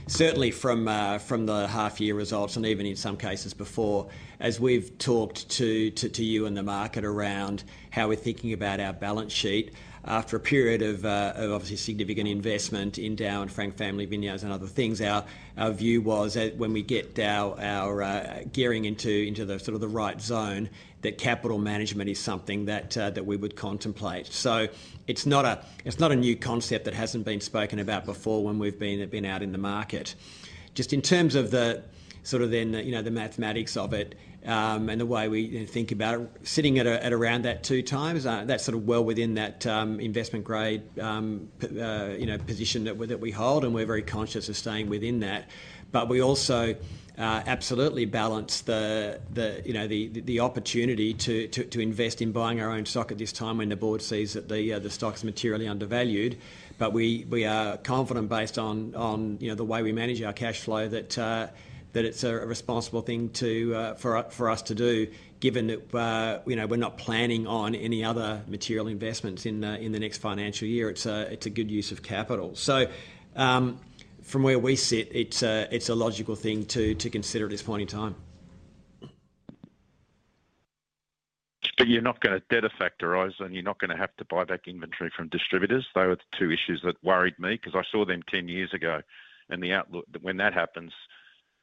certainly from the half-year results and even in some cases before, as we've talked to you and the market around how we're thinking about our balance sheet, after a period of obviously significant investment in DAOU and Frank Family Vineyards and other things, our view was that when we get DAOU gearing into the sort of the right zone, that capital management is something that we would contemplate. It's not a new concept that hasn't been spoken about before when we've been out in the market. Just in terms of sort of then the mathematics of it and the way we think about it, sitting at around that two times, that's sort of well within that investment-grade position that we hold, and we're very conscious of staying within that. We also absolutely balance the opportunity to invest in buying our own stock at this time when the board sees that the stock's materially undervalued. We are confident based on the way we manage our cash flow that it's a responsible thing for us to do, given that we're not planning on any other material investments in the next financial year. It's a good use of capital. From where we sit, it's a logical thing to consider at this point in time. You're not going to debt factorize, and you're not going to have to buy back inventory from distributors. Those are the two issues that worried me because I saw them 10 years ago. When that happens,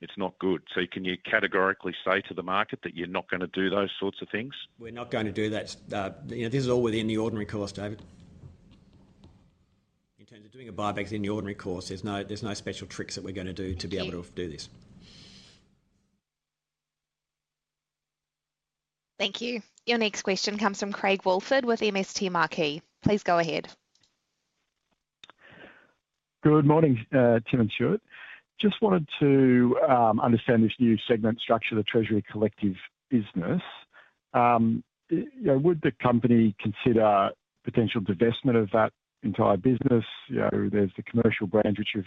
it's not good. Can you categorically say to the market that you're not going to do those sorts of things? We're not going to do that. This is all within the ordinary course, David. In terms of doing a buyback, it's in the ordinary course. There's no special tricks that we're going to do to be able to do this. Thank you. Your next question comes from Craig Woolford with MST Marquee. Please go ahead. Good morning, Tim and Stuart. Just wanted to understand this new segment structure, the Treasury Collective business. Would the company consider potential divestment of that entire business? There's the commercial brands which you've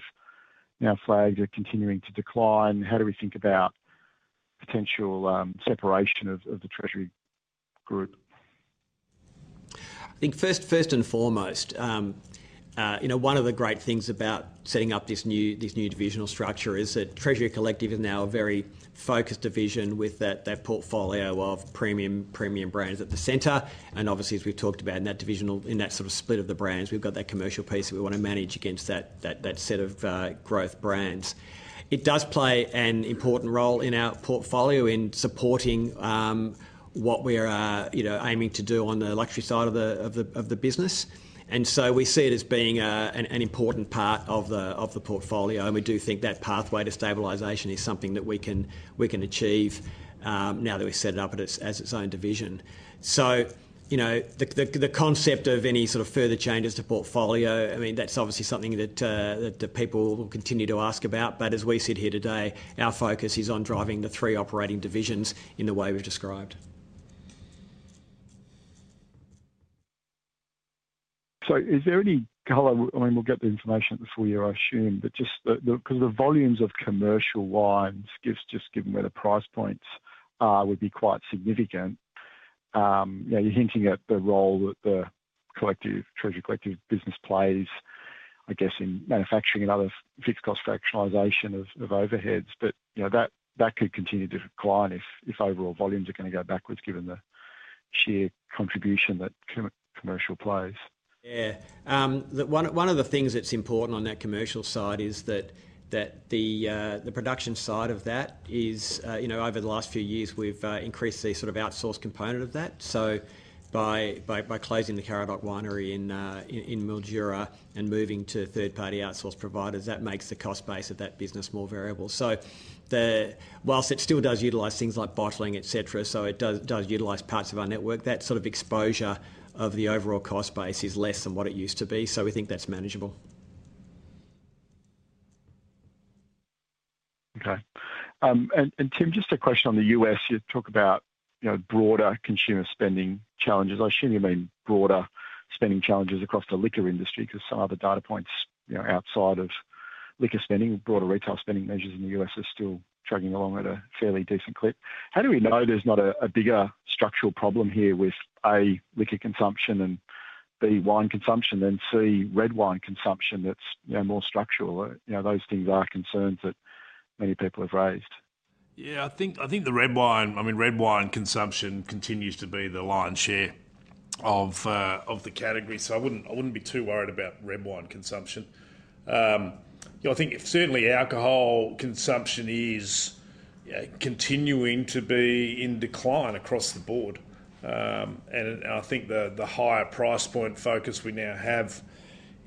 now flagged are continuing to decline. How do we think about potential separation of the Treasury Group? I think first and foremost, one of the great things about setting up this new divisional structure is that Treasury Collective is now a very focused division with that portfolio of premium brands at the center. Obviously, as we've talked about in that sort of split of the brands, we've got that commercial piece that we want to manage against that set of growth brands. It does play an important role in our portfolio in supporting what we're aiming to do on the luxury side of the business. We see it as being an important part of the portfolio. We do think that pathway to stabilization is something that we can achieve now that we've set it up as its own division. The concept of any sort of further changes to portfolio, I mean, that's obviously something that people will continue to ask about. As we sit here today, our focus is on driving the three operating divisions in the way we've described. Is there any color? I mean, we'll get the information this week, I assume, but just because the volumes of commercial wines, just given where the price points are, would be quite significant. You're hinting at the role that the Treasury Collective business plays, I guess, in manufacturing and other fixed-cost fractionalization of overheads. That could continue to decline if overall volumes are going to go backwards given the sheer contribution that commercial plays. Yeah. One of the things that's important on that commercial side is that the production side of that is over the last few years, we've increased the sort of outsource component of that. By closing the Karadoc Winery in Mildura and moving to third-party outsource providers, that makes the cost base of that business more variable. Whilst it still does utilize things like bottling, etc., it does utilize parts of our network, that sort of exposure of the overall cost base is less than what it used to be. We think that's manageable. Okay. Tim, just a question on the U.S. You talk about broader consumer spending challenges. I assume you mean broader spending challenges across the liquor industry because some of the data points outside of liquor spending, broader retail spending measures in the U.S. are still chugging along at a fairly decent clip. How do we know there's not a bigger structural problem here with, A, liquor consumption and, B, wine consumption, and, C, red wine consumption that's more structural? Those things are concerns that many people have raised. Yeah. I think the red wine, I mean, red wine consumption continues to be the lion's share of the category. I would not be too worried about red wine consumption. I think certainly alcohol consumption is continuing to be in decline across the board. I think the higher price point focus we now have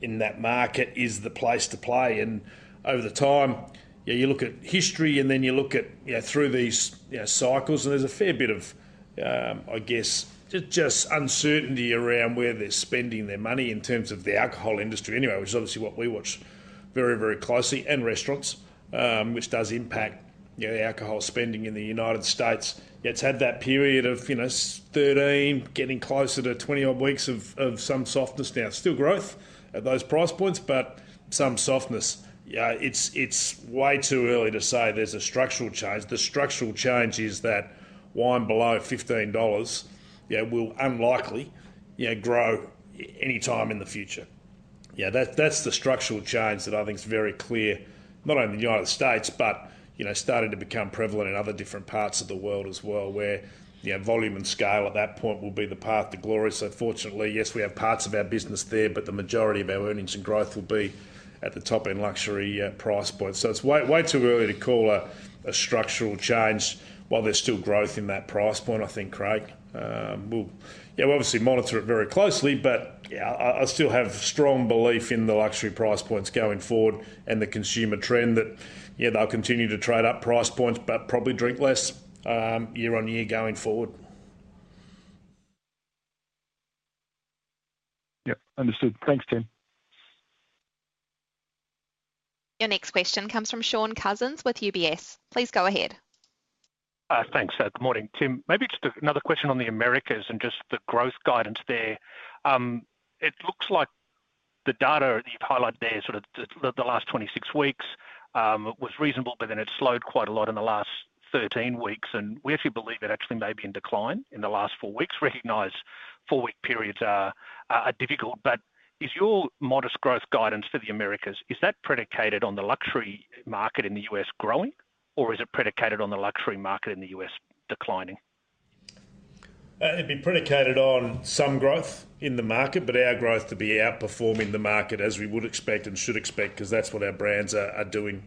in that market is the place to play. Over the time, you look at history and then you look at through these cycles, and there is a fair bit of, I guess, just uncertainty around where they are spending their money in terms of the alcohol industry anyway, which is obviously what we watch very, very closely, and restaurants, which does impact alcohol spending in the United States. It has had that period of 13, getting closer to 20-odd weeks of some softness now. Still growth at those price points, but some softness. It's way too early to say there's a structural change. The structural change is that wine below $15 will unlikely grow anytime in the future. Yeah, that's the structural change that I think is very clear, not only in the United States, but starting to become prevalent in other different parts of the world as well, where volume and scale at that point will be the path to glory. Fortunately, yes, we have parts of our business there, but the majority of our earnings and growth will be at the top-end luxury price point. It's way too early to call a structural change while there's still growth in that price point, I think, Craig. We'll obviously monitor it very closely, but I still have strong belief in the luxury price points going forward and the consumer trend that they'll continue to trade up price points, but probably drink less year on year going forward. Yep. Understood. Thanks, Tim. Your next question comes from Shaun Cousins with UBS. Please go ahead. Thanks. Good morning, Tim. Maybe just another question on the Americas and just the growth guidance there. It looks like the data you've highlighted there, sort of the last 26 weeks was reasonable, but then it slowed quite a lot in the last 13 weeks. We actually believe it actually may be in decline in the last four weeks. Recognize four-week periods are difficult. Is your modest growth guidance for the Americas, is that predicated on the luxury market in the US. growing, or is it predicated on the luxury market in the U.S. declining? It'd be predicated on some growth in the market, but our growth to be outperforming the market as we would expect and should expect because that's what our brands are doing.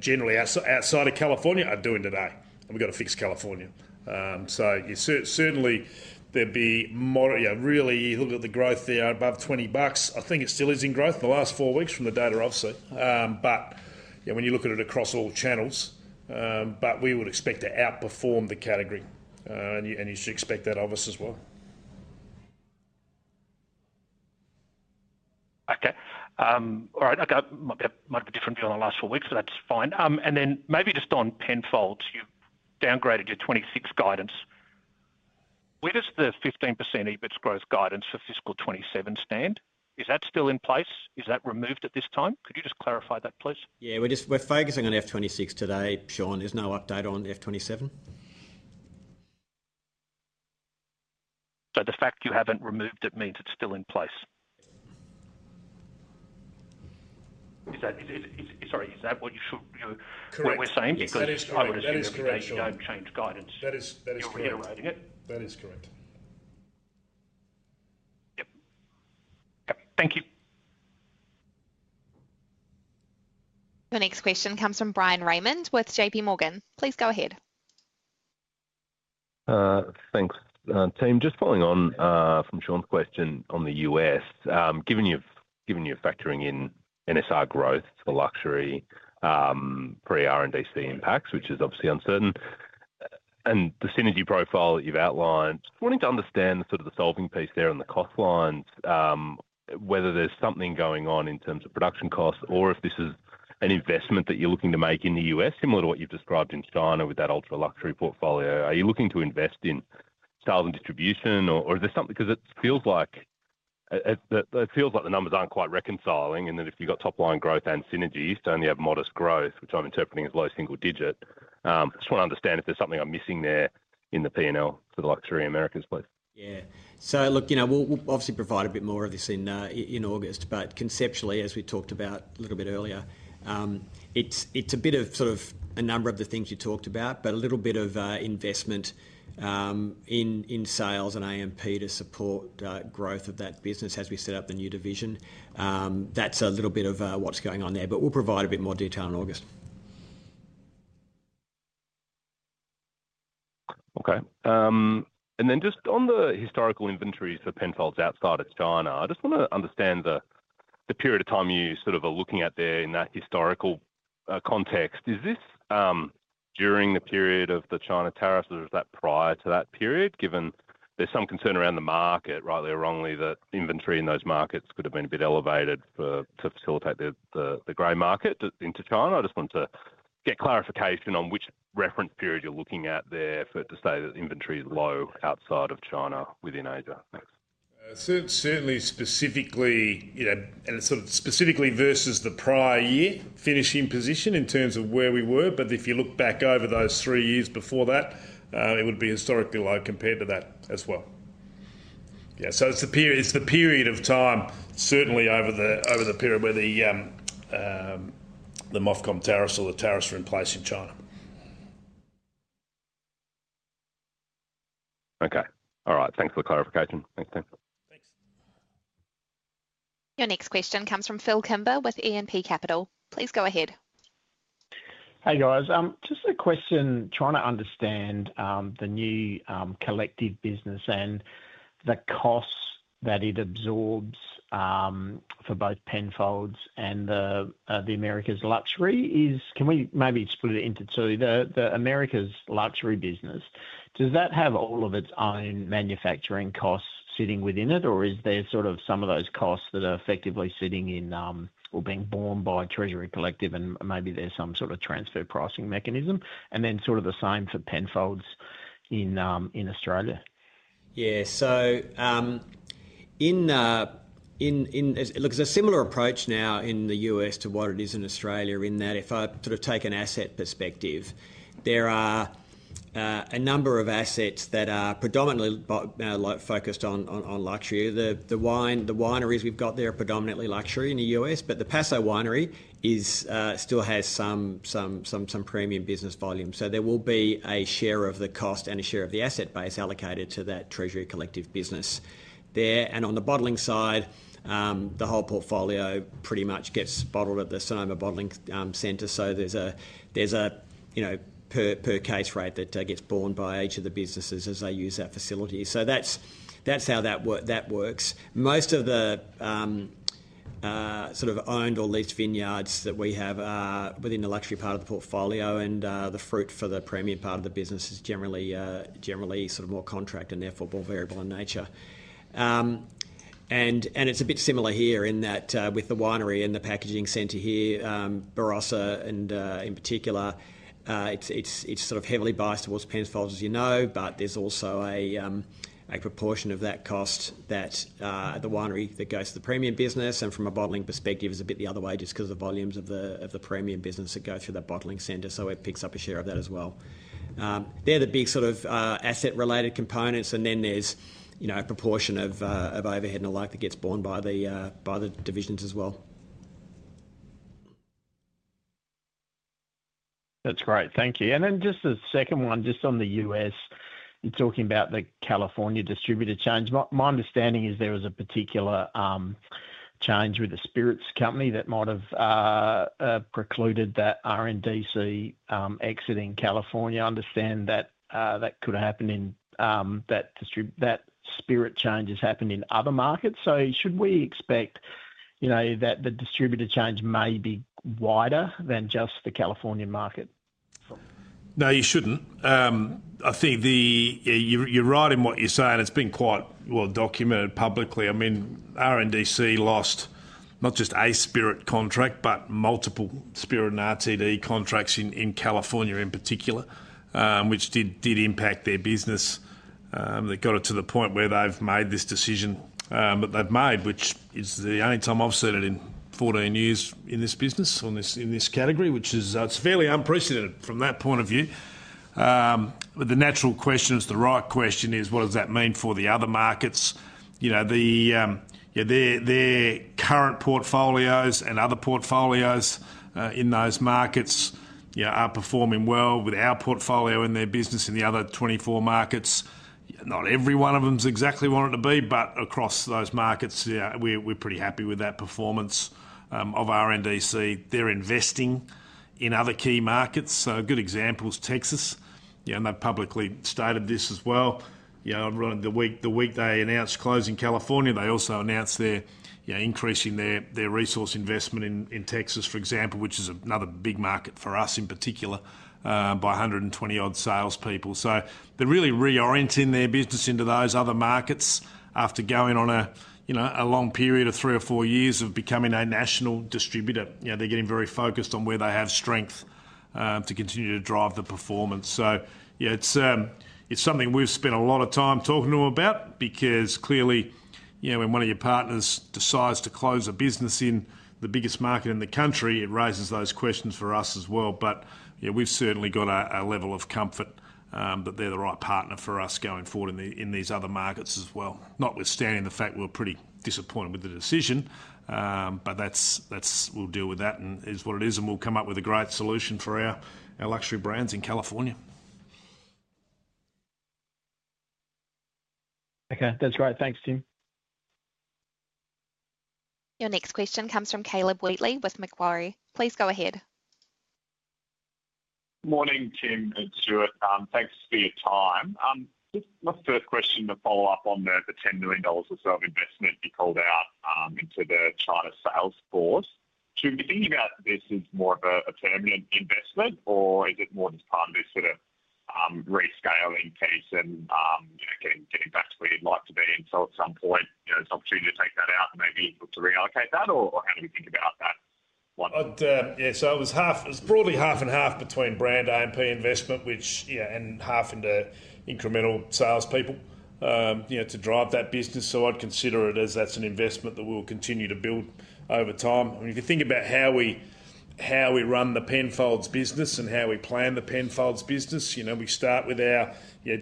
Generally, outside of California, are doing today. We have got to fix California. Certainly, you look at the growth there above $20. I think it still is in growth in the last four weeks from the data I have seen. When you look at it across all channels, we would expect to outperform the category. You should expect that of us as well. Okay. All right. Might be a different view on the last four weeks, but that's fine. Maybe just on Penfolds, you've downgraded your 2026 guidance. Where does the 15% EBITs growth guidance for fiscal 2027 stand? Is that still in place? Is that removed at this time? Could you just clarify that, please? Yeah. We're focusing on F2026 today, Shaun. There's no update on F2027. The fact you haven't removed it means it's still in place. Sorry. Is that what you're saying? Correct. You don't change guidance. You're reiterating it? That is correct. Yep. Thank you. The next question comes from Bryan Raymond with JPMorgan. Please go ahead. Thanks, Tim. Just following on from Shaun's question on the U.S., given you're factoring in NSR growth for luxury pre-RNDC impacts, which is obviously uncertain, and the synergy profile that you've outlined, just wanting to understand sort of the solving piece there on the cost lines, whether there's something going on in terms of production costs or if this is an investment that you're looking to make in the U.S., similar to what you've described in China with that ultra-luxury portfolio. Are you looking to invest in style and distribution, or is there something because it feels like the numbers aren't quite reconciling and that if you've got top-line growth and synergy, you certainly have modest growth, which I'm interpreting as low single digit. Just want to understand if there's something I'm missing there in the P&L for the luxury Americas, please. Yeah. Look, we'll obviously provide a bit more of this in August. Conceptually, as we talked about a little bit earlier, it's a bit of sort of a number of the things you talked about, but a little bit of investment in sales and A&P to support growth of that business as we set up the new division. That's a little bit of what's going on there. We'll provide a bit more detail in August. Okay. And then just on the historical inventories for Penfolds outside of China, I just want to understand the period of time you sort of are looking at there in that historical context. Is this during the period of the China tariffs, or is that prior to that period, given there's some concern around the market, rightly or wrongly, that inventory in those markets could have been a bit elevated to facilitate the gray market into China? I just want to get clarification on which reference period you're looking at there for it to say that inventory is low outside of China within Asia. Thanks. Certainly, specifically, and it's sort of specifically versus the prior year finishing position in terms of where we were. If you look back over those three years before that, it would be historically low compared to that as well. Yeah. It is the period of time, certainly over the period where the MOFCOM tariffs or the tariffs were in place in China. Okay. All right. Thanks for the clarification. Thanks, Tim. Thanks. Your next question comes from Phil Kimber with E&P Capital. Please go ahead. Hey, guys. Just a question. Trying to understand the new Collective business and the costs that it absorbs for both Penfolds and the Americas luxury is can we maybe split it into two. The Americas luxury business, does that have all of its own manufacturing costs sitting within it, or is there sort of some of those costs that are effectively sitting in or being borne by Treasury Collective, and maybe there's some sort of transfer pricing mechanism? And then sort of the same for Penfolds in Australia. Yeah. So look, there's a similar approach now in the U.S. to what it is in Australia in that if I sort of take an asset perspective, there are a number of assets that are predominantly focused on luxury. The winery we've got there are predominantly luxury in the U.S., but the Paso winery still has some premium business volume. There will be a share of the cost and a share of the asset base allocated to that Treasury Collective business there. On the bottling side, the whole portfolio pretty much gets bottled at the Sonoma Bottling Center. There is a per-case rate that gets borne by each of the businesses as they use our facility. That is how that works. Most of the sort of owned or leased vineyards that we have are within the luxury part of the portfolio, and the fruit for the premium part of the business is generally sort of more contract and therefore more variable in nature. It is a bit similar here in that with the winery and the packaging center here, Barossa, and in particular, it is sort of heavily biased towards Penfolds, as you know, but there is also a proportion of that cost that the winery that goes to the premium business, and from a bottling perspective, is a bit the other way just because of the volumes of the premium business that go through that bottling center. It picks up a share of that as well. They are the big sort of asset-related components, and then there is a proportion of overhead and the like that gets borne by the divisions as well. That's great. Thank you. Just a second one, just on the U.S., you're talking about the California distributor change. My understanding is there was a particular change with the spirits company that might have precluded that RNDC exiting California. I understand that that could have happened and that spirit change has happened in other markets. Should we expect that the distributor change may be wider than just the California market? No, you shouldn't. I think you're right in what you're saying. It's been quite well documented publicly. I mean, RNDC lost not just a spirit contract, but multiple spirit and RTD contracts in California in particular, which did impact their business. They got it to the point where they've made this decision that they've made, which is the only time I've seen it in 14 years in this business, in this category, which is fairly unprecedented from that point of view. The natural question is the right question is, what does that mean for the other markets? Their current portfolios and other portfolios in those markets are performing well with our portfolio in their business in the other 24 markets. Not every one of them's exactly what it'd be, but across those markets, we're pretty happy with that performance of RNDC. They're investing in other key markets. A good example is Texas. They've publicly stated this as well. The week they announced closing California, they also announced they're increasing their resource investment in Texas, for example, which is another big market for us in particular by 120-odd salespeople. They're really reorienting their business into those other markets after going on a long period of three or four years of becoming a national distributor. They're getting very focused on where they have strength to continue to drive the performance. It's something we've spent a lot of time talking to them about because clearly, when one of your partners decides to close a business in the biggest market in the country, it raises those questions for us as well. We've certainly got a level of comfort that they're the right partner for us going forward in these other markets as well. Notwithstanding the fact we're pretty disappointed with the decision, but we'll deal with that and it is what it is, and we'll come up with a great solution for our luxury brands in California. Okay. That's great. Thanks, Tim. Your next question comes from Caleb Wheatley with Macquarie. Please go ahead. Good morning, Tim and Stuart. Thanks for your time. My first question to follow up on the $10 million or so of investment you called out into the China sales force. Should we be thinking about this as more of a permanent investment, or is it more just part of this sort of rescaling piece and getting back to where you'd like to be? At some point, there's an opportunity to take that out and maybe look to reallocate that, or how do we think about that? Yeah. It was broadly half and half between brand A&P investment and half into incremental salespeople to drive that business. I'd consider it as that's an investment that we'll continue to build over time. I mean, if you think about how we run the Penfolds business and how we plan the Penfolds business, we start with our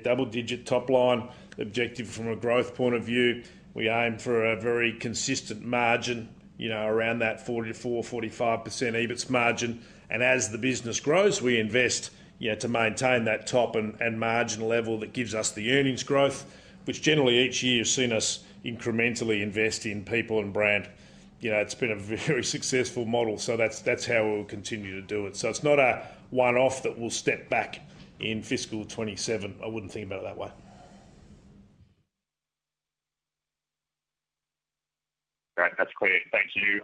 double-digit top-line objective from a growth point of view. We aim for a very consistent margin around that 44%-45% EBITs margin. As the business grows, we invest to maintain that top and margin level that gives us the earnings growth, which generally each year you've seen us incrementally invest in people and brand. It's been a very successful model. That's how we'll continue to do it. It's not a one-off that we'll step back in fiscal 2027. I wouldn't think about it that way. All right. That's great. Thank you.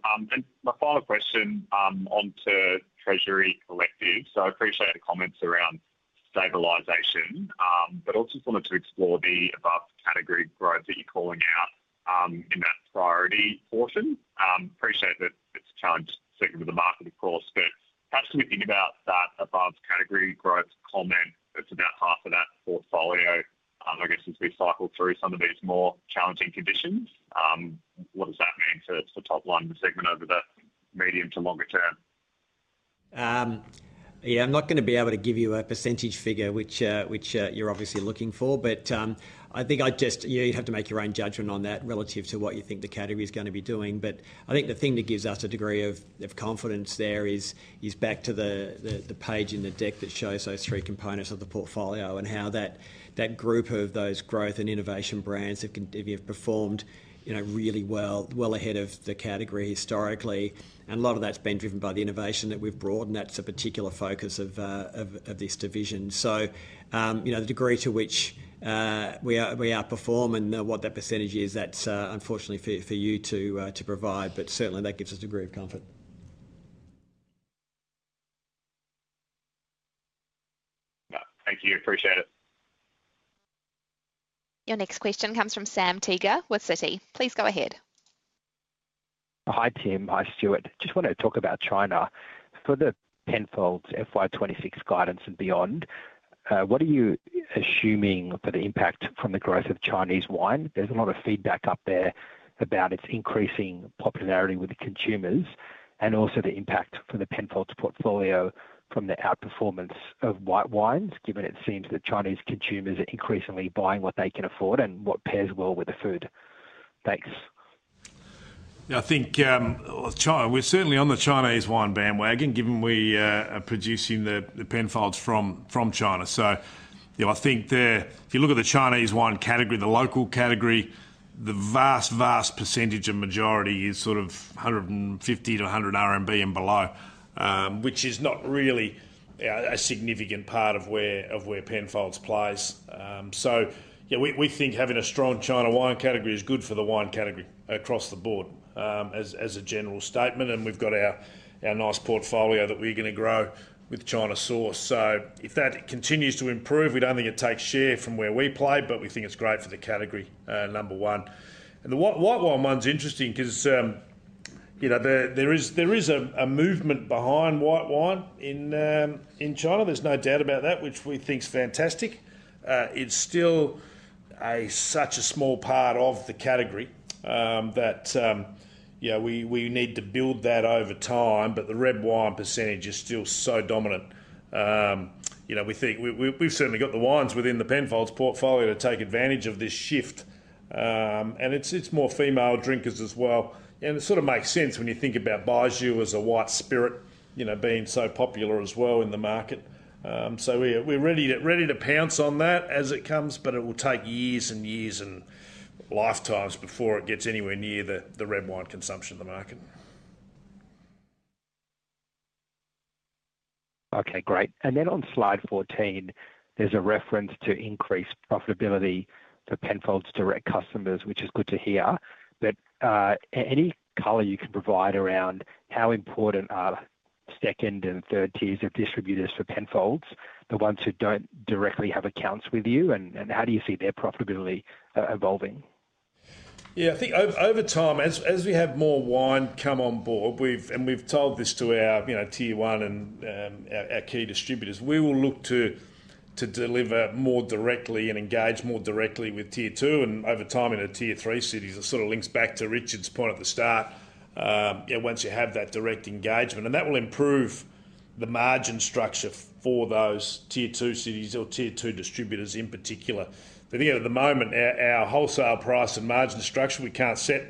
My final question onto Treasury Collective. I appreciate the comments around stabilization, but also just wanted to explore the above category growth that you're calling out in that priority portion. I appreciate that it's challenged certainly with the market, of course. Perhaps can we think about that above category growth comment that's about half of that portfolio, I guess, as we cycle through some of these more challenging conditions? What does that mean for top-line segment over the medium to longer term? Yeah. I'm not going to be able to give you a percentage figure, which you're obviously looking for, but I think you'd have to make your own judgment on that relative to what you think the category is going to be doing. I think the thing that gives us a degree of confidence there is back to the page in the deck that shows those three components of the portfolio and how that group of those growth and innovation brands have performed really well ahead of the category historically. A lot of that's been driven by the innovation that we've brought, and that's a particular focus of this division. The degree to which we outperform and what that percentage is, that's unfortunately for you to provide, but certainly that gives us a degree of comfort. Thank you. Appreciate it. Your next question comes from Sam Teeger with Citi. Please go ahead. Hi, Tim. Hi, Stuart. Just wanted to talk about China. For the Penfolds FY 2026 guidance and beyond, what are you assuming for the impact from the growth of Chinese wine? There's a lot of feedback up there about its increasing popularity with consumers and also the impact for the Penfolds portfolio from the outperformance of white wines, given it seems that Chinese consumers are increasingly buying what they can afford and what pairs well with the food. Thanks. Yeah. I think we're certainly on the Chinese wine bandwagon, given we are producing the Penfolds from China. I think if you look at the Chinese wine category, the local category, the vast, vast percentage of majority is sort of 150-100 RMB and below, which is not really a significant part of where Penfolds plays. Yeah, we think having a strong China wine category is good for the wine category across the board as a general statement. We've got our nice portfolio that we're going to grow with China source. If that continues to improve, we don't think it takes share from where we play, but we think it's great for the category number one. The white wine one's interesting because there is a movement behind white wine in China. There's no doubt about that, which we think is fantastic. It's still such a small part of the category that we need to build that over time, but the red wine percentage is still so dominant. We think we've certainly got the wines within the Penfolds portfolio to take advantage of this shift. It's more female drinkers as well. It sort of makes sense when you think about Baijiu as a white spirit being so popular as well in the market. We're ready to pounce on that as it comes, but it will take years and years and lifetimes before it gets anywhere near the red wine consumption in the market. Okay. Great. On slide 14, there's a reference to increased profitability for Penfolds direct customers, which is good to hear. Any color you can provide around how important are second and third tiers of distributors for Penfolds, the ones who do not directly have accounts with you, and how do you see their profitability evolving? Yeah. I think over time, as we have more wine come on board, and we've told this to our tier one and our key distributors, we will look to deliver more directly and engage more directly with tier two. Over time in tier three cities, it sort of links back to Richard's point at the start. Once you have that direct engagement, that will improve the margin structure for those tier two cities or tier two distributors in particular. I think at the moment, our wholesale price and margin structure, we can't set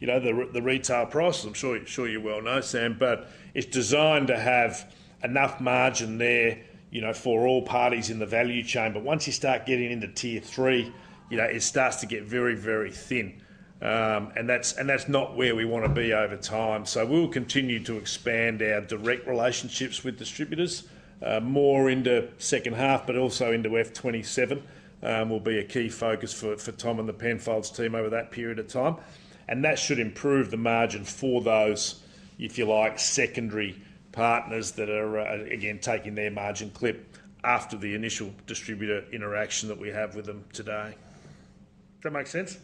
the retail price. I'm sure you well know, Sam, but it's designed to have enough margin there for all parties in the value chain. Once you start getting into tier three, it starts to get very, very thin. That is not where we want to be over time. We will continue to expand our direct relationships with distributors more into the second half, but also into F2027 will be a key focus for Tom and the Penfolds team over that period of time. That should improve the margin for those, if you like, secondary partners that are, again, taking their margin clip after the initial distributor interaction that we have with them today. Does that make sense?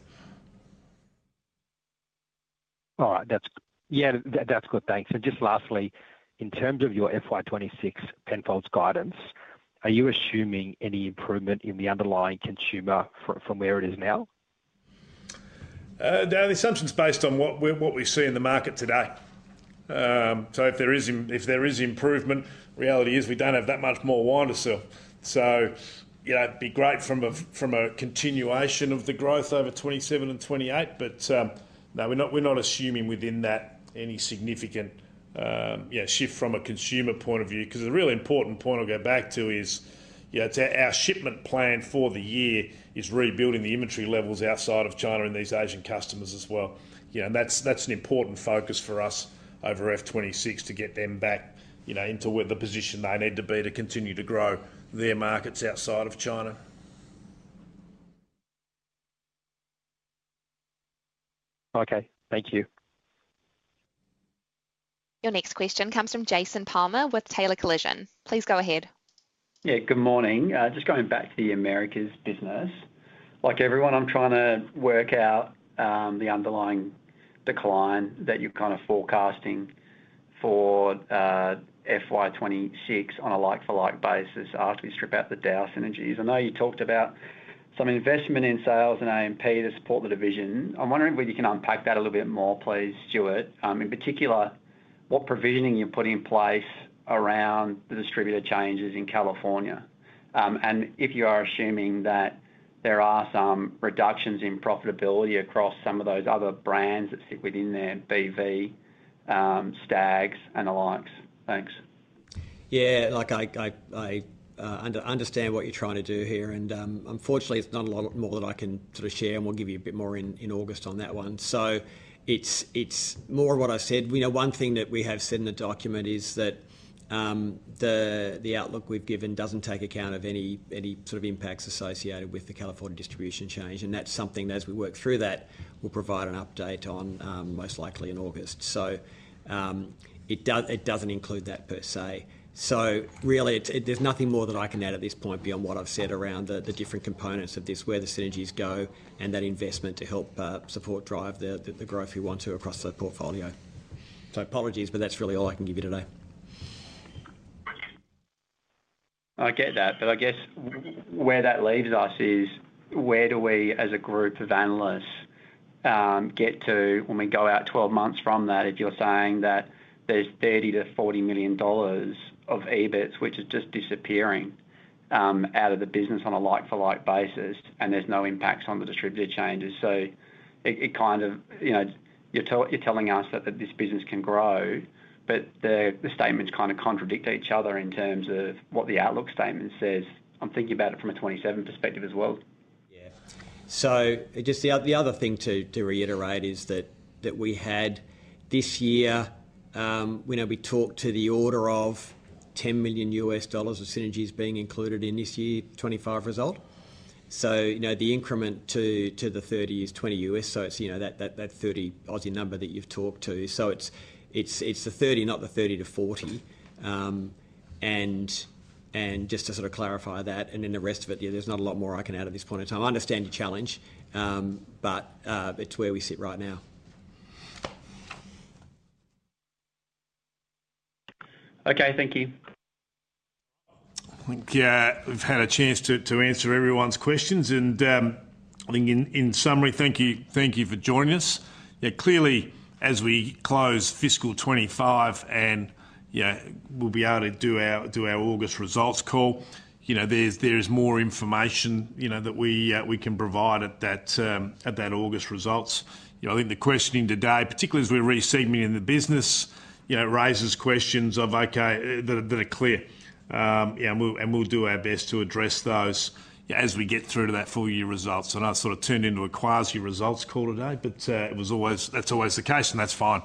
All right. Yeah. That's good. Thanks. Just lastly, in terms of your FY 2026 Penfolds guidance, are you assuming any improvement in the underlying consumer from where it is now? The assumption is based on what we see in the market today. If there is improvement, reality is we do not have that much more wine to sell. It would be great from a continuation of the growth over 2027 and 2028, but no, we are not assuming within that any significant shift from a consumer point of view. A really important point I will go back to is our shipment plan for the year is rebuilding the inventory levels outside of China and these Asian customers as well. That is an important focus for us over F 2026 to get them back into the position they need to be to continue to grow their markets outside of China. Okay. Thank you. Your next question comes from Jason Palmer with Taylor Collison. Please go ahead. Yeah. Good morning. Just going back to the Americas business. Like everyone, I'm trying to work out the underlying decline that you're kind of forecasting for FY 2026 on a like-for-like basis after we strip out the DAOU synergies. I know you talked about some investment in sales and A&P to support the division. I'm wondering whether you can unpack that a little bit more, please, Stuart. In particular, what provisioning you're putting in place around the distributor changes in California? And if you are assuming that there are some reductions in profitability across some of those other brands that sit within there, BV, Stag's, and the likes. Thanks. Yeah. I understand what you're trying to do here. Unfortunately, there's not a lot more that I can sort of share. We'll give you a bit more in August on that one. It's more of what I said. One thing that we have said in the document is that the outlook we've given does not take account of any impacts associated with the California distribution change. That is something that as we work through, we'll provide an update on most likely in August. It does not include that per se. There's nothing more that I can add at this point beyond what I've said around the different components of this, where the synergies go, and that investment to help support, drive the growth we want to across the portfolio. Apologies, but that's really all I can give you today. I get that. I guess where that leaves us is where do we as a group of analysts get to when we go out 12 months from that, if you're saying that there's $30 million-$40 million of EBITs, which is just disappearing out of the business on a like-for-like basis, and there's no impacts on the distributor changes. You're telling us that this business can grow, but the statements kind of contradict each other in terms of what the outlook statement says. I'm thinking about it from a 2027 perspective as well. Yeah. Just the other thing to reiterate is that we had this year, we talked to the order of $10 million of synergies being included in this year 2025 result. The increment to the $30 million is $20 million. It is that $30 million odd number that you have talked to. It is the $30 million, not the $30 million-$40 million. Just to sort of clarify that, and then the rest of it, there is not a lot more I can add at this point in time. I understand your challenge, but it is where we sit right now. Okay. Thank you. I think we've had a chance to answer everyone's questions. I think in summary, thank you for joining us. Clearly, as we close fiscal 2025 and we'll be able to do our August results call, there is more information that we can provide at that August results. I think the questioning today, particularly as we're resegmenting the business, raises questions that are clear. We'll do our best to address those as we get through to that full year results. I sort of turned into a quasi-results call today, but that's always the case, and that's fine.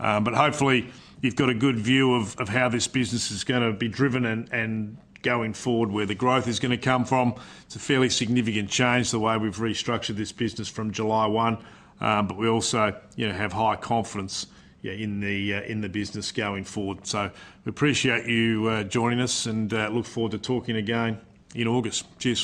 Hopefully, you've got a good view of how this business is going to be driven and going forward, where the growth is going to come from. It's a fairly significant change the way we've restructured this business from July 1, but we also have high confidence in the business going forward. We appreciate you joining us and look forward to talking again in August. Cheers.